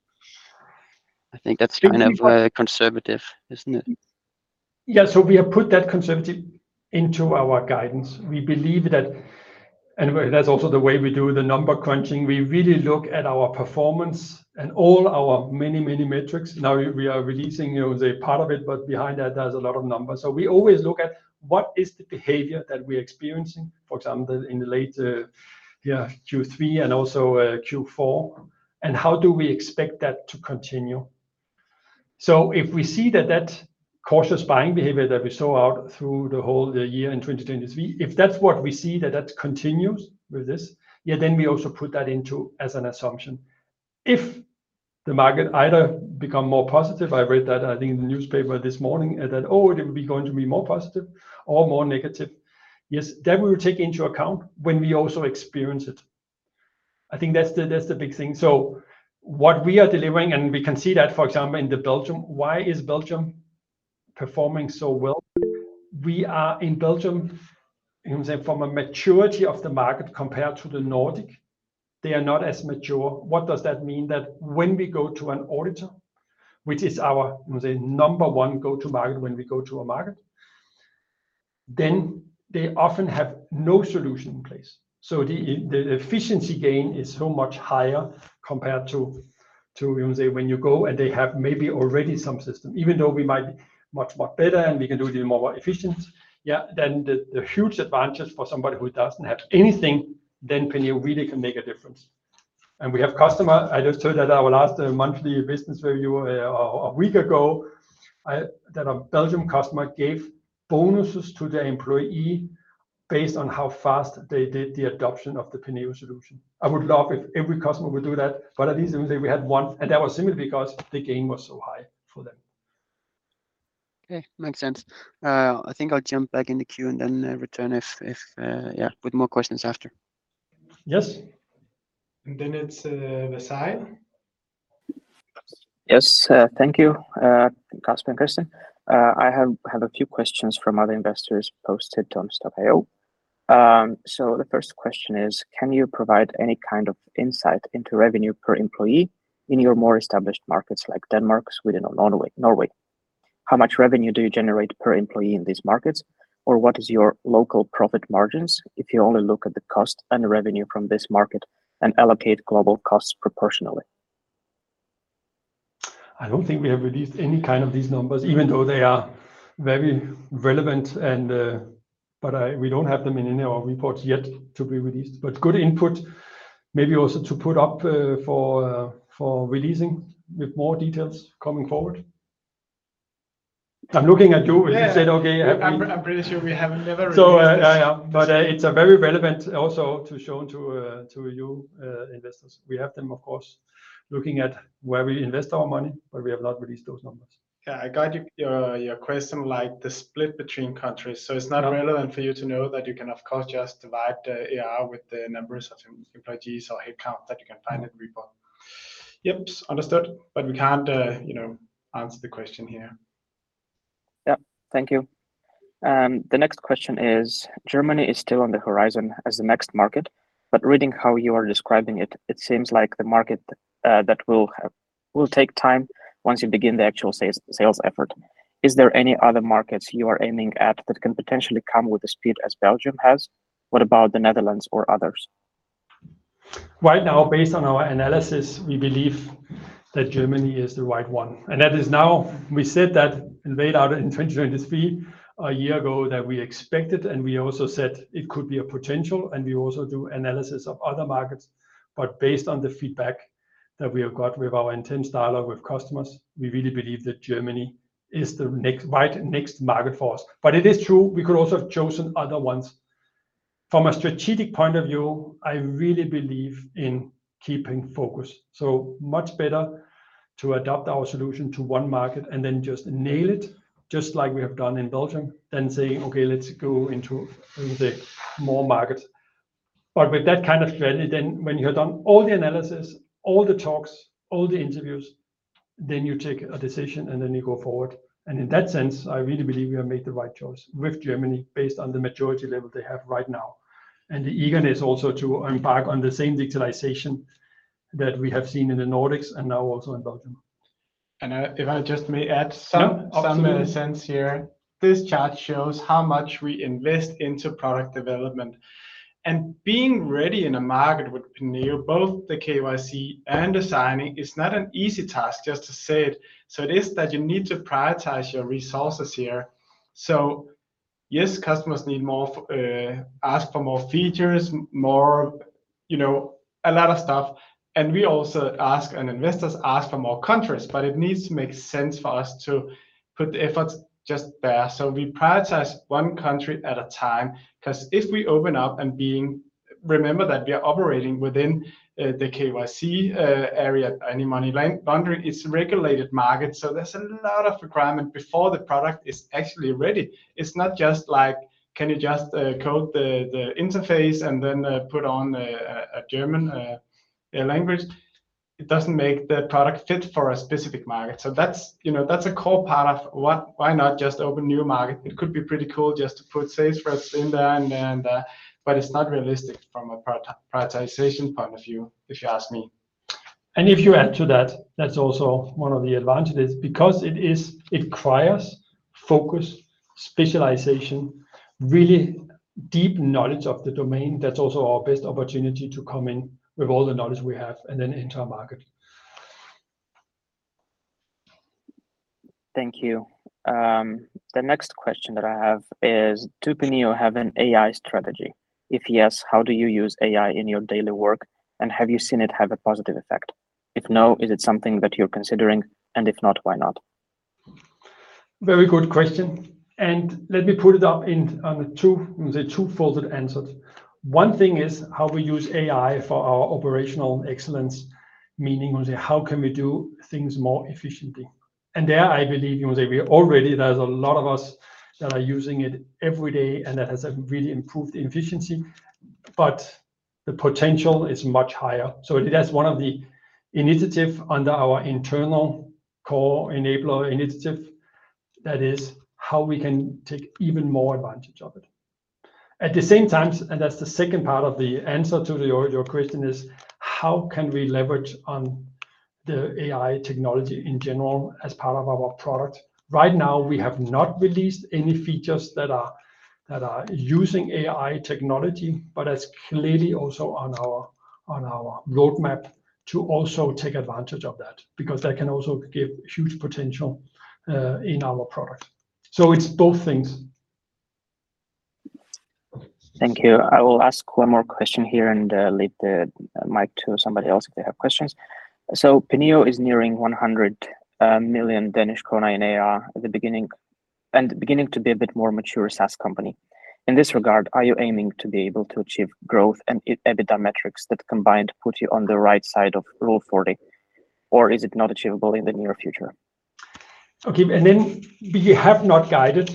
I think that's kind of conservative, isn't it? Yeah. So we have put that conservative into our guidance. We believe that and that's also the way we do the number crunching. We really look at our performance and all our many, many metrics. Now we are releasing part of it, but behind that, there's a lot of numbers. So we always look at what is the behavior that we are experiencing, for example, in the late Q3 and also Q4, and how do we expect that to continue? So if we see that that cautious buying behavior that we saw out through the whole year in 2023, if that's what we see that that continues with this, yeah, then we also put that into as an assumption. If the market either becomes more positive, I read that, I think, in the newspaper this morning that, oh, it will be going to be more positive or more negative. Yes, that we will take into account when we also experience it. I think that's the big thing. So what we are delivering, and we can see that, for example, in Belgium, why is Belgium performing so well? We are in Belgium, from a maturity of the market compared to the Nordic, they are not as mature. What does that mean? That when we go to an auditor, which is our number one go-to-market when we go to a market, then they often have no solution in place. So the efficiency gain is so much higher compared to when you go and they have maybe already some system, even though we might be much, much better and we can do it even more efficient. Yeah, then the huge advantage for somebody who doesn't have anything, then Penneo really can make a difference. We have customers. I just heard that our last monthly business review a week ago, that a Belgian customer gave bonuses to their employee based on how fast they did the adoption of the Penneo solution. I would love if every customer would do that, but at least we had one, and that was simply because the gain was so high for them. Okay. Makes sense. I think I'll jump back in the queue and then return with more questions after. Yes. And then it's. Yes. Thank you, Casper and Christian. I have a few questions from other investors posted on Stokk.io. So the first question is, can you provide any kind of insight into revenue per employee in your more established markets like Denmark, Sweden, or Norway? How much revenue do you generate per employee in these markets, or what is your local profit margins if you only look at the cost and revenue from this market and allocate global costs proportionally? I don't think we have released any kind of these numbers, even though they are very relevant, but we don't have them in any of our reports yet to be released. Good input, maybe also to put up for releasing with more details coming forward. I'm looking at you. You said, "Okay, have we. I'm pretty sure we have never released. Yeah, yeah. But it's very relevant also to show to you investors. We have them, of course, looking at where we invest our money, but we have not released those numbers. Yeah. I got your question like the split between countries. So it's not relevant for you to know that you can, of course, just divide the ARR with the numbers of employees or headcount that you can find in the report. Yep. Understood. But we can't answer the question here. Yeah. Thank you. The next question is, Germany is still on the horizon as the next market. But reading how you are describing it, it seems like the market that will take time once you begin the actual sales effort. Is there any other markets you are aiming at that can potentially come with the speed as Belgium has? What about the Netherlands or others? Right now, based on our analysis, we believe that Germany is the right one. And that is now we said that and laid out it in 2023 a year ago that we expected, and we also said it could be a potential, and we also do analysis of other markets. But based on the feedback that we have got with our intense dialogue with customers, we really believe that Germany is the right next market for us. But it is true, we could also have chosen other ones. From a strategic point of view, I really believe in keeping focus. Much better to adopt our solution to one market and then just nail it just like we have done in Belgium than saying, "Okay, let's go into more markets." With that kind of strategy, then when you have done all the analysis, all the talks, all the interviews, then you take a decision, and then you go forward. In that sense, I really believe we have made the right choice with Germany based on the maturity level they have right now and the eagerness also to embark on the same digitalization that we have seen in the Nordics and now also in Belgium. And if I just may add some sense here, this chart shows how much we invest into product development. Being ready in a market with Penneo, both the KYC and the signing, is not an easy task just to say it. So it is that you need to prioritize your resources here. So yes, customers need more, ask for more features, a lot of stuff. And we also ask and investors ask for more countries, but it needs to make sense for us to put the efforts just there. So we prioritize one country at a time because if we open up and remember that we are operating within the KYC area in anti-money laundering, it's a regulated market. So there's a lot of requirement before the product is actually ready. It's not just like, "Can you just code the interface and then put on a German language?" It doesn't make the product fit for a specific market. That's a core part of why not just open a new market? It could be pretty cool just to put sales reps in there and there and there, but it's not realistic from a prioritization point of view if you ask me. If you add to that, that's also one of the advantages because it requires focus, specialization, really deep knowledge of the domain. That's also our best opportunity to come in with all the knowledge we have and then enter a market. Thank you. The next question that I have is, does Penneo have an AI strategy? If yes, how do you use AI in your daily work, and have you seen it have a positive effect? If no, is it something that you're considering? And if not, why not? Very good question. Let me put it up on two-fold answers. One thing is how we use AI for our operational excellence, meaning how can we do things more efficiently. And there, I believe we already; there's a lot of us that are using it every day, and that has really improved the efficiency, but the potential is much higher. So it is one of the initiatives under our internal core enabler initiative that is how we can take even more advantage of it. At the same time, and that's the second part of the answer to your question, is how can we leverage on the AI technology in general as part of our product? Right now, we have not released any features that are using AI technology, but that's clearly also on our roadmap to also take advantage of that because that can also give huge potential in our product. So it's both things. Thank you. I will ask one more question here and leave the mic to somebody else if they have questions. Penneo is nearing 100 million Danish krone in ARR at the beginning and beginning to be a bit more mature SaaS company. In this regard, are you aiming to be able to achieve growth and EBITDA metrics that combined put you on the right side of Rule of 40, or is it not achievable in the near future? Okay. Then we have not guided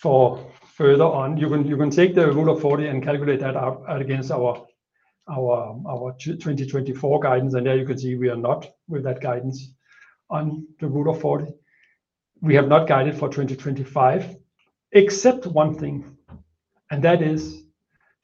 for further on. You can take the Rule of 40 and calculate that out against our 2024 guidance. And there, you can see we are not with that guidance on the Rule of 40. We have not guided for 2025 except one thing, and that is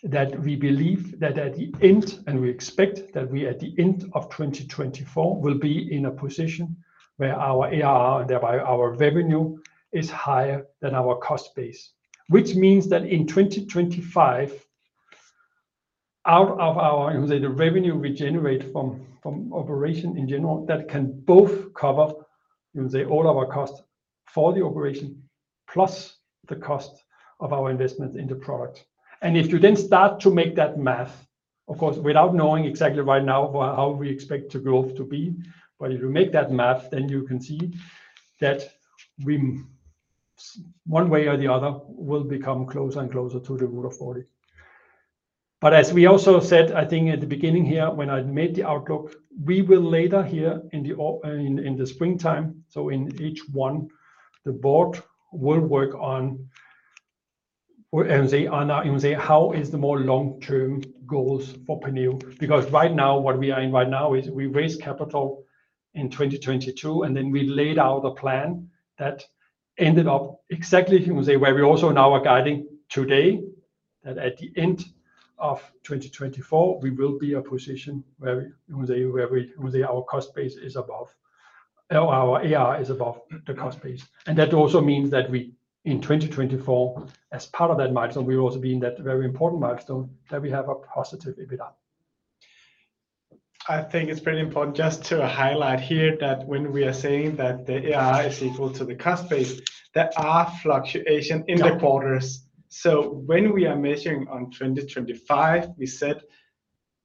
that we believe that at the end, and we expect that we at the end of 2024 will be in a position where our ARR and thereby our revenue is higher than our cost base, which means that in 2025, out of the revenue we generate from operation in general, that can both cover all our costs for the operation plus the cost of our investments in the product. And if you then start to make that math, of course, without knowing exactly right now how we expect the growth to be, but if you make that math, then you can see that one way or the other, we'll become closer and closer to the Rule of 40. But as we also said, I think at the beginning here, when I made the outlook, we will later here in the springtime, so in H1, the board will work on how the more long-term goals for Penneo? Because right now, what we are in right now is we raised capital in 2022, and then we laid out a plan that ended up exactly where we also now are guiding today, that at the end of 2024, we will be in a position where our cost base is above or our ARR is above the cost base. That also means that in 2024, as part of that milestone, we will also be in that very important milestone that we have a positive EBITDA. I think it's pretty important just to highlight here that when we are saying that the ARR is equal to the cost base, there are fluctuations in the quarters. So when we are measuring on 2025, we said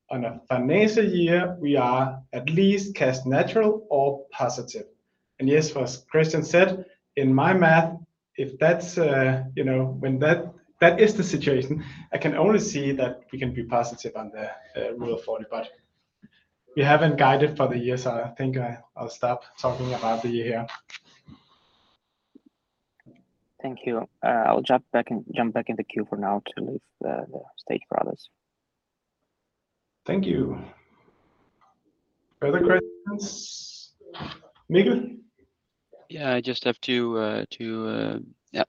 on a financial year, we are at least cash neutral or positive. And yes, as Christian said, in my math, if that's when that is the situation, I can only see that we can be positive on the Rule of 40, but we haven't guided for the years. I think I'll stop talking about the year here. Thank you. I'll jump back in the queue for now to leave the stage for others. Thank you. Other questions? Mikkel? Yeah. I just have two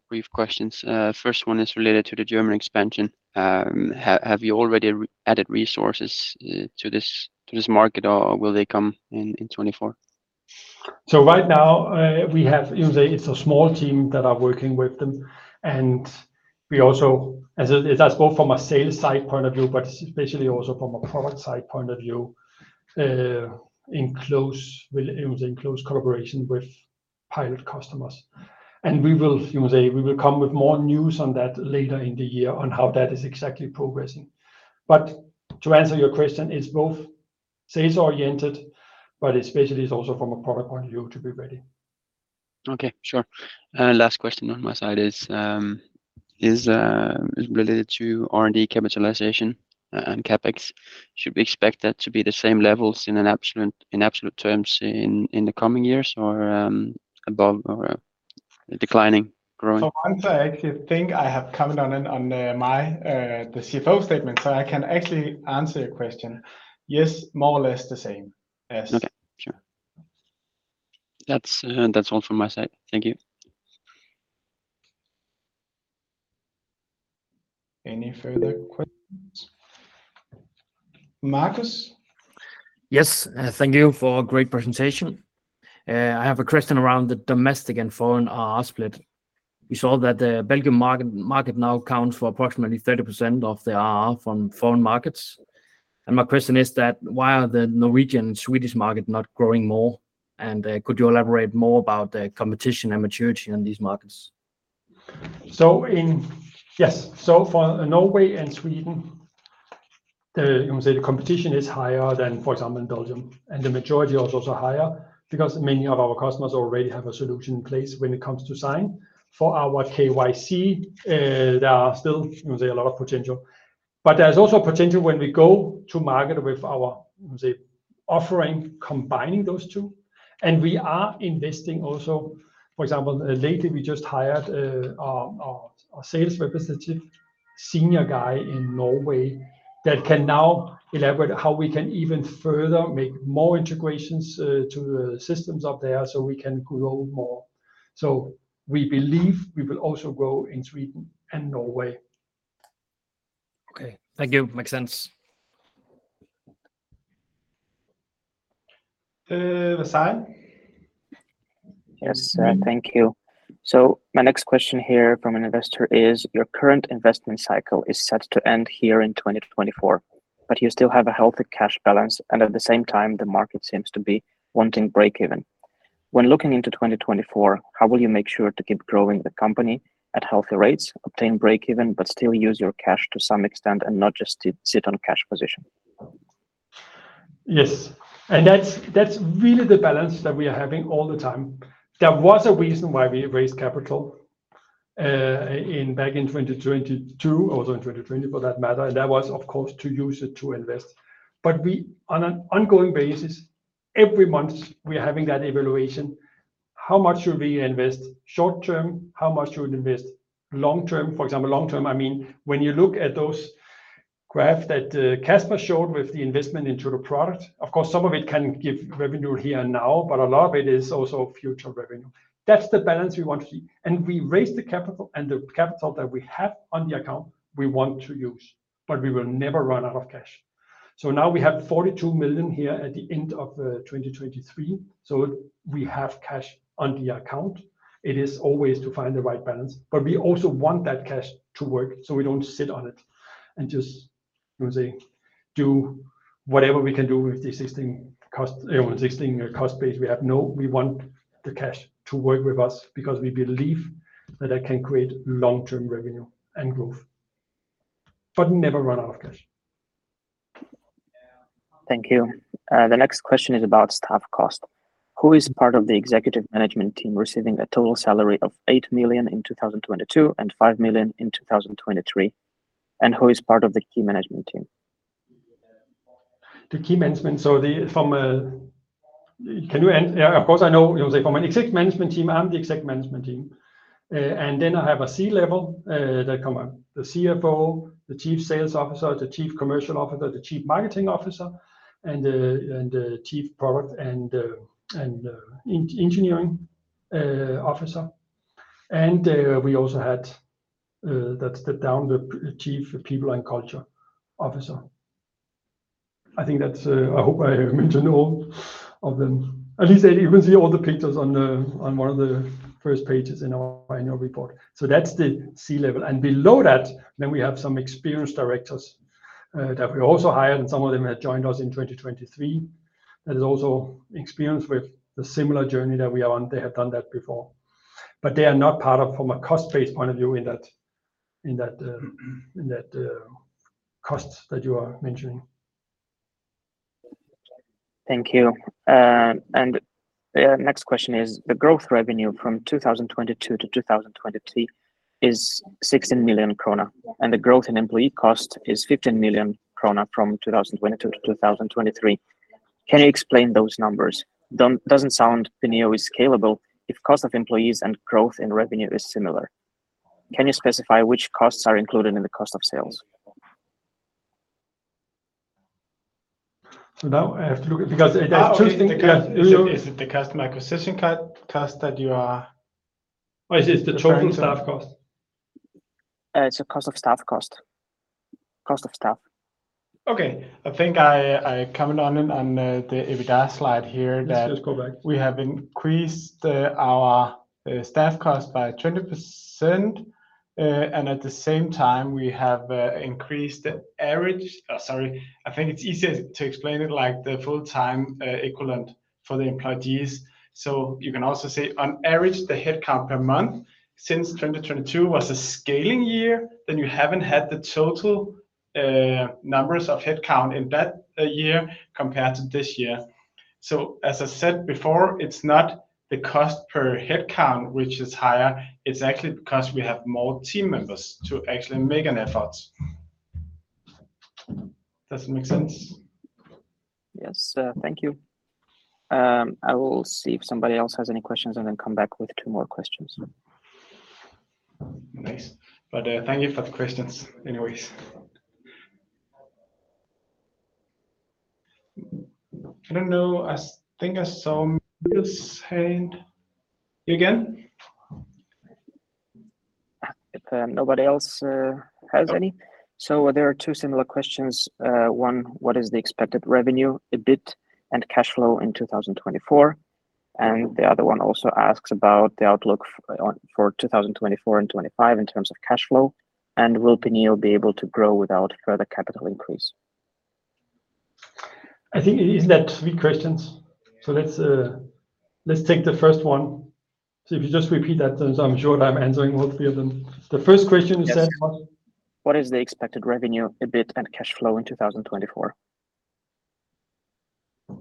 brief questions. First one is related to the German expansion. Have you already added resources to this market, or will they come in 2024? So right now, we have it's a small team that are working with them. And we also, as I spoke from a sales side point of view, but especially also from a product side point of view, in close collaboration with pilot customers. And we will come with more news on that later in the year on how that is exactly progressing. But to answer your question, it's both sales-oriented, but especially it's also from a product point of view to be ready. Okay. Sure. Last question on my side is related to R&D capitalization and CapEx. Should we expect that to be the same levels in absolute terms in the coming years or declining, growing? I'm going to actually think I have commented on the CFO statement, so I can actually answer your question. Yes, more or less the same as. Okay. Sure. That's all from my side. Thank you. Any further questions? Marcus? Yes. Thank you for a great presentation. I have a question around the domestic and foreign ARR split. We saw that the Belgian market now accounts for approximately 30% of the ARR from foreign markets. My question is why are the Norwegian and Swedish markets not growing more? Could you elaborate more about the competition and maturity in these markets? Yes. So for Norway and Sweden, the competition is higher than, for example, in Belgium, and the maturity is also higher because many of our customers already have a solution in place when it comes to signing. For our KYC, there are still a lot of potential. But there's also potential when we go to market with our offering, combining those two. And we are investing also, for example, lately, we just hired our sales representative, senior guy in Norway that can now elaborate how we can even further make more integrations to the systems up there so we can grow more. So we believe we will also grow in Sweden and Norway. Okay. Thank you. Makes sense. Vasai? Yes. Thank you. So my next question here from an investor is, your current investment cycle is set to end here in 2024, but you still have a healthy cash balance, and at the same time, the market seems to be wanting break-even. When looking into 2024, how will you make sure to keep growing the company at healthy rates, obtain break-even, but still use your cash to some extent and not just sit on cash position? Yes. And that's really the balance that we are having all the time. There was a reason why we raised capital back in 2022, also in 2020 for that matter, and that was, of course, to use it to invest. But on an ongoing basis, every month, we are having that evaluation. How much should we invest short-term? How much should we invest long-term? For example, long-term, I mean, when you look at those graphs that Casper showed with the investment into the product, of course, some of it can give revenue here and now, but a lot of it is also future revenue. That's the balance we want to see. And we raised the capital, and the capital that we have on the account, we want to use, but we will never run out of cash. Now we have 42 million here at the end of 2023, so we have cash on the account. It is always to find the right balance, but we also want that cash to work so we don't sit on it and just do whatever we can do with the existing cost base. We want the cash to work with us because we believe that that can create long-term revenue and growth, but never run out of cash. Thank you. The next question is about staff cost. Who is part of the executive management team receiving a total salary of 8 million in 2022 and 5 million in 2023? And who is part of the key management team? The key management, so can you end? Of course, I know from an exec management team, I'm the exec management team. And then I have a C-level that come up, the CFO, the Chief Sales Officer, the Chief Commercial Officer, the Chief Marketing Officer, and the Chief Product and Engineering Officer. And we also had that's down the Chief People and Culture Officer. I hope I mentioned all of them. At least you can see all the pictures on one of the first pages in our annual report. So that's the C-level. And below that, then we have some experienced directors that we also hired, and some of them have joined us in 2023 that is also experienced with the similar journey that we are on. They have done that before, but they are not part of from a cost-based point of view in that cost that you are mentioning. Thank you. The next question is, the growth revenue from 2022 to 2023 is 16 million krone, and the growth in employee cost is 15 million krone from 2022 to 2023. Can you explain those numbers? It doesn't sound Penneo is scalable if cost of employees and growth in revenue is similar. Can you specify which costs are included in the cost of sales? So now I have to look at, because there's two things. Is it the customer acquisition cost that you are? Or is it the chosen staff cost? It's a cost of staff cost. Cost of staff. Okay. I think I commented on the EBITDA slide here that we have increased our staff cost by 20%, and at the same time, we have increased the average, sorry, I think it's easier to explain it, the full-time equivalent for the employees. So you can also say on average, the headcount per month since 2022 was a scaling year, then you haven't had the total numbers of headcount in that year compared to this year. So as I said before, it's not the cost per headcount which is higher. It's actually because we have more team members to actually make an effort. Does it make sense? Yes. Thank you. I will see if somebody else has any questions and then come back with two more questions. Nice. Thank you for the questions anyways. I don't know. I think I saw Mikkel's hand. You again? If nobody else has any. So there are two similar questions. One, what is the expected revenue, EBIT, and cash flow in 2024? And the other one also asks about the outlook for 2024 and 2025 in terms of cash flow, and will Penneo be able to grow without further capital increase? I think it is that three questions. Let's take the first one. If you just repeat that, I'm sure that I'm answering both of you. The first question you said was. What is the expected revenue, EBIT, and cash flow in 2024?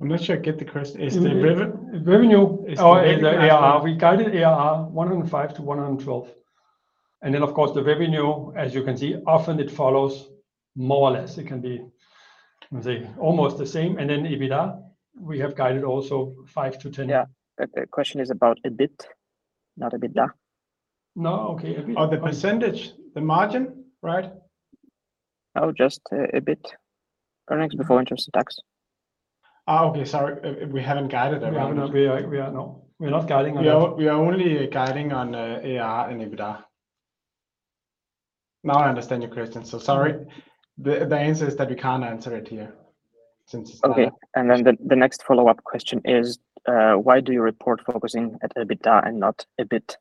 I'm not sure I get the question. Is the revenue? Are we guided ARR 105-112? And then, of course, the revenue, as you can see, often it follows more or less. It can be almost the same. And then EBITDA, we have guided also 5-10. Yeah. The question is about EBIT, not EBITDA. No. Okay. EBIT. Oh, the percentage, the margin, right? Oh, just EBIT earnings before interest and tax. Okay. Sorry. We haven't guided that. No, we are not guiding on that. We are only guiding on ARR and EBITDA. Now I understand your question. So sorry. The answer is that we can't answer it here since it's not. Okay. And then the next follow-up question is, why do you report focusing at EBITDA and not EBIT?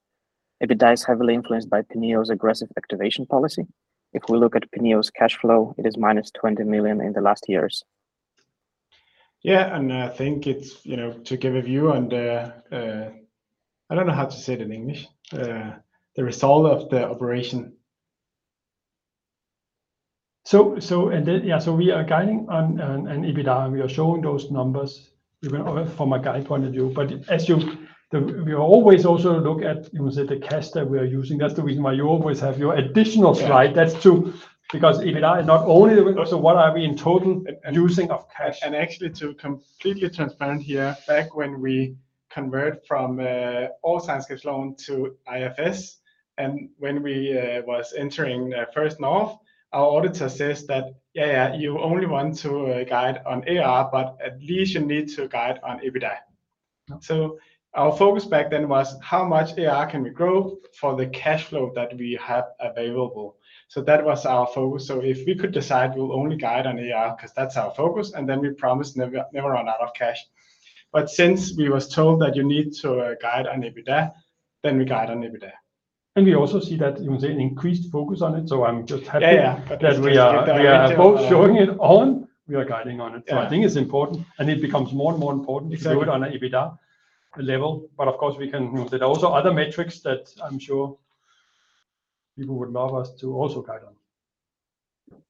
EBITDA is heavily influenced by Penneo's aggressive activation policy. If we look at Penneo's cash flow, it is -20 million in the last years. Yeah. I think it's to give a view on the, I don't know how to say it in English, the result of the operation. Yeah. So we are guiding on EBITDA, and we are showing those numbers from a guide point of view. But we always also look at the cash that we are using. That's the reason why you always have your additional slide. That's because EBITDA is not only the so what are we in total using of cash? Actually, to be completely transparent here, back when we convert from Årsregnskabsloven to IFRS, and when we were entering First North, our auditor says that, "Yeah, yeah, you only want to guide on ARR, but at least you need to guide on EBITDA." So our focus back then was, how much ARR can we grow for the cash flow that we have available? So that was our focus. So if we could decide we'll only guide on ARR because that's our focus, and then we promised never run out of cash. But since we were told that you need to guide on EBITDA, then we guide on EBITDA. We also see that increased focus on it. I'm just happy that we are both showing it on. We are guiding on it. I think it's important, and it becomes more and more important to do it on an EBITDA level. But of course, we can also have other metrics that I'm sure people would love us to also guide on.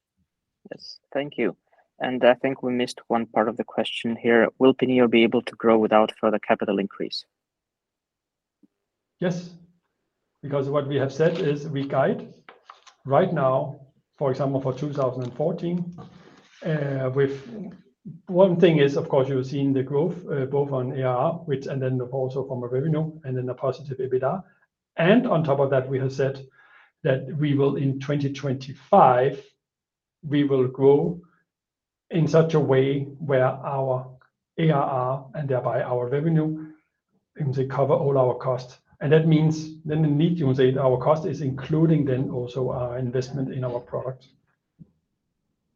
Yes. Thank you. I think we missed one part of the question here. Will Penneo be able to grow without further capital increase? Yes. Because what we have said is we guide right now, for example, for 2014. One thing is, of course, you've seen the growth both on ARR and then also from a revenue and then a positive EBITDA. And on top of that, we have said that in 2025, we will grow in such a way where our ARR and thereby our revenue cover all our costs. And that means then indeed, our cost is including then also our investment in our product.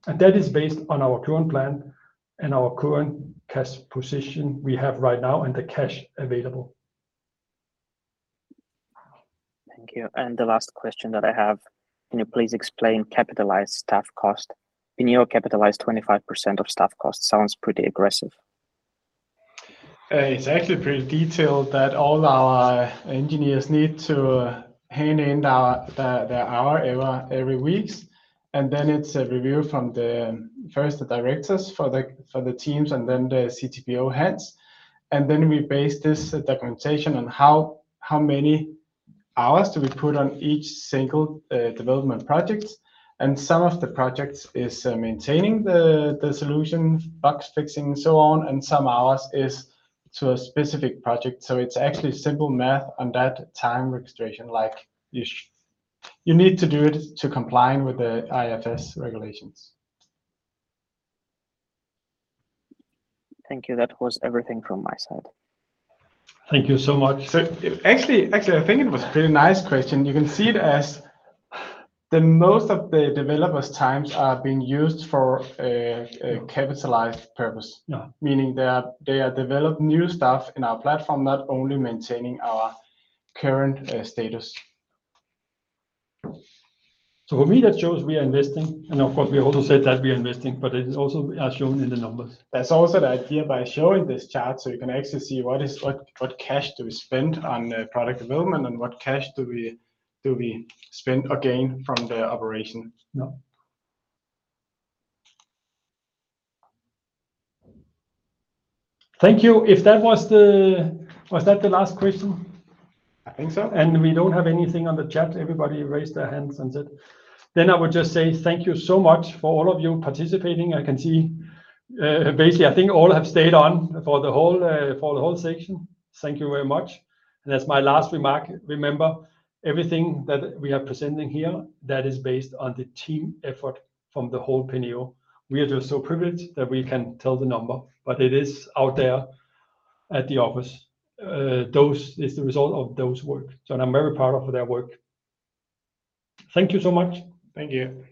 And that is based on our current plan and our current cash position we have right now and the cash available. Thank you. The last question that I have, can you please explain capitalized staff cost? Penneo capitalized 25% of staff cost. Sounds pretty aggressive. It's actually pretty detailed that all our engineers need to hand in their hour every week. Then it's a review from first the directors for the teams and then the CTPO heads. Then we base this documentation on how many hours do we put on each single development project. And some of the projects is maintaining the solution, bug fixing, and so on, and some hours is to a specific project. So it's actually simple math on that time registration. You need to do it to comply with the IFRS regulations. Thank you. That was everything from my side. Thank you so much. Actually, I think it was a pretty nice question. You can see it as most of the developers' times are being used for capitalized purpose, meaning they are developing new stuff in our platform, not only maintaining our current status. For me, that shows we are investing. Of course, we also said that we are investing, but it also is shown in the numbers. That's also the idea by showing this chart so you can actually see what cash do we spend on product development and what cash do we spend again from the operation. Yeah. Thank you. Was that the last question? I think so. We don't have anything on the chat. Everybody raised their hands and said. I would just say thank you so much for all of you participating. I can see basically, I think all have stayed on for the whole section. Thank you very much. As my last remark, remember, everything that we are presenting here, that is based on the team effort from the whole Penneo. We are just so privileged that we can tell the number, but it is out there at the office. It's the result of those work. So I'm very proud of their work. Thank you so much. Thank you.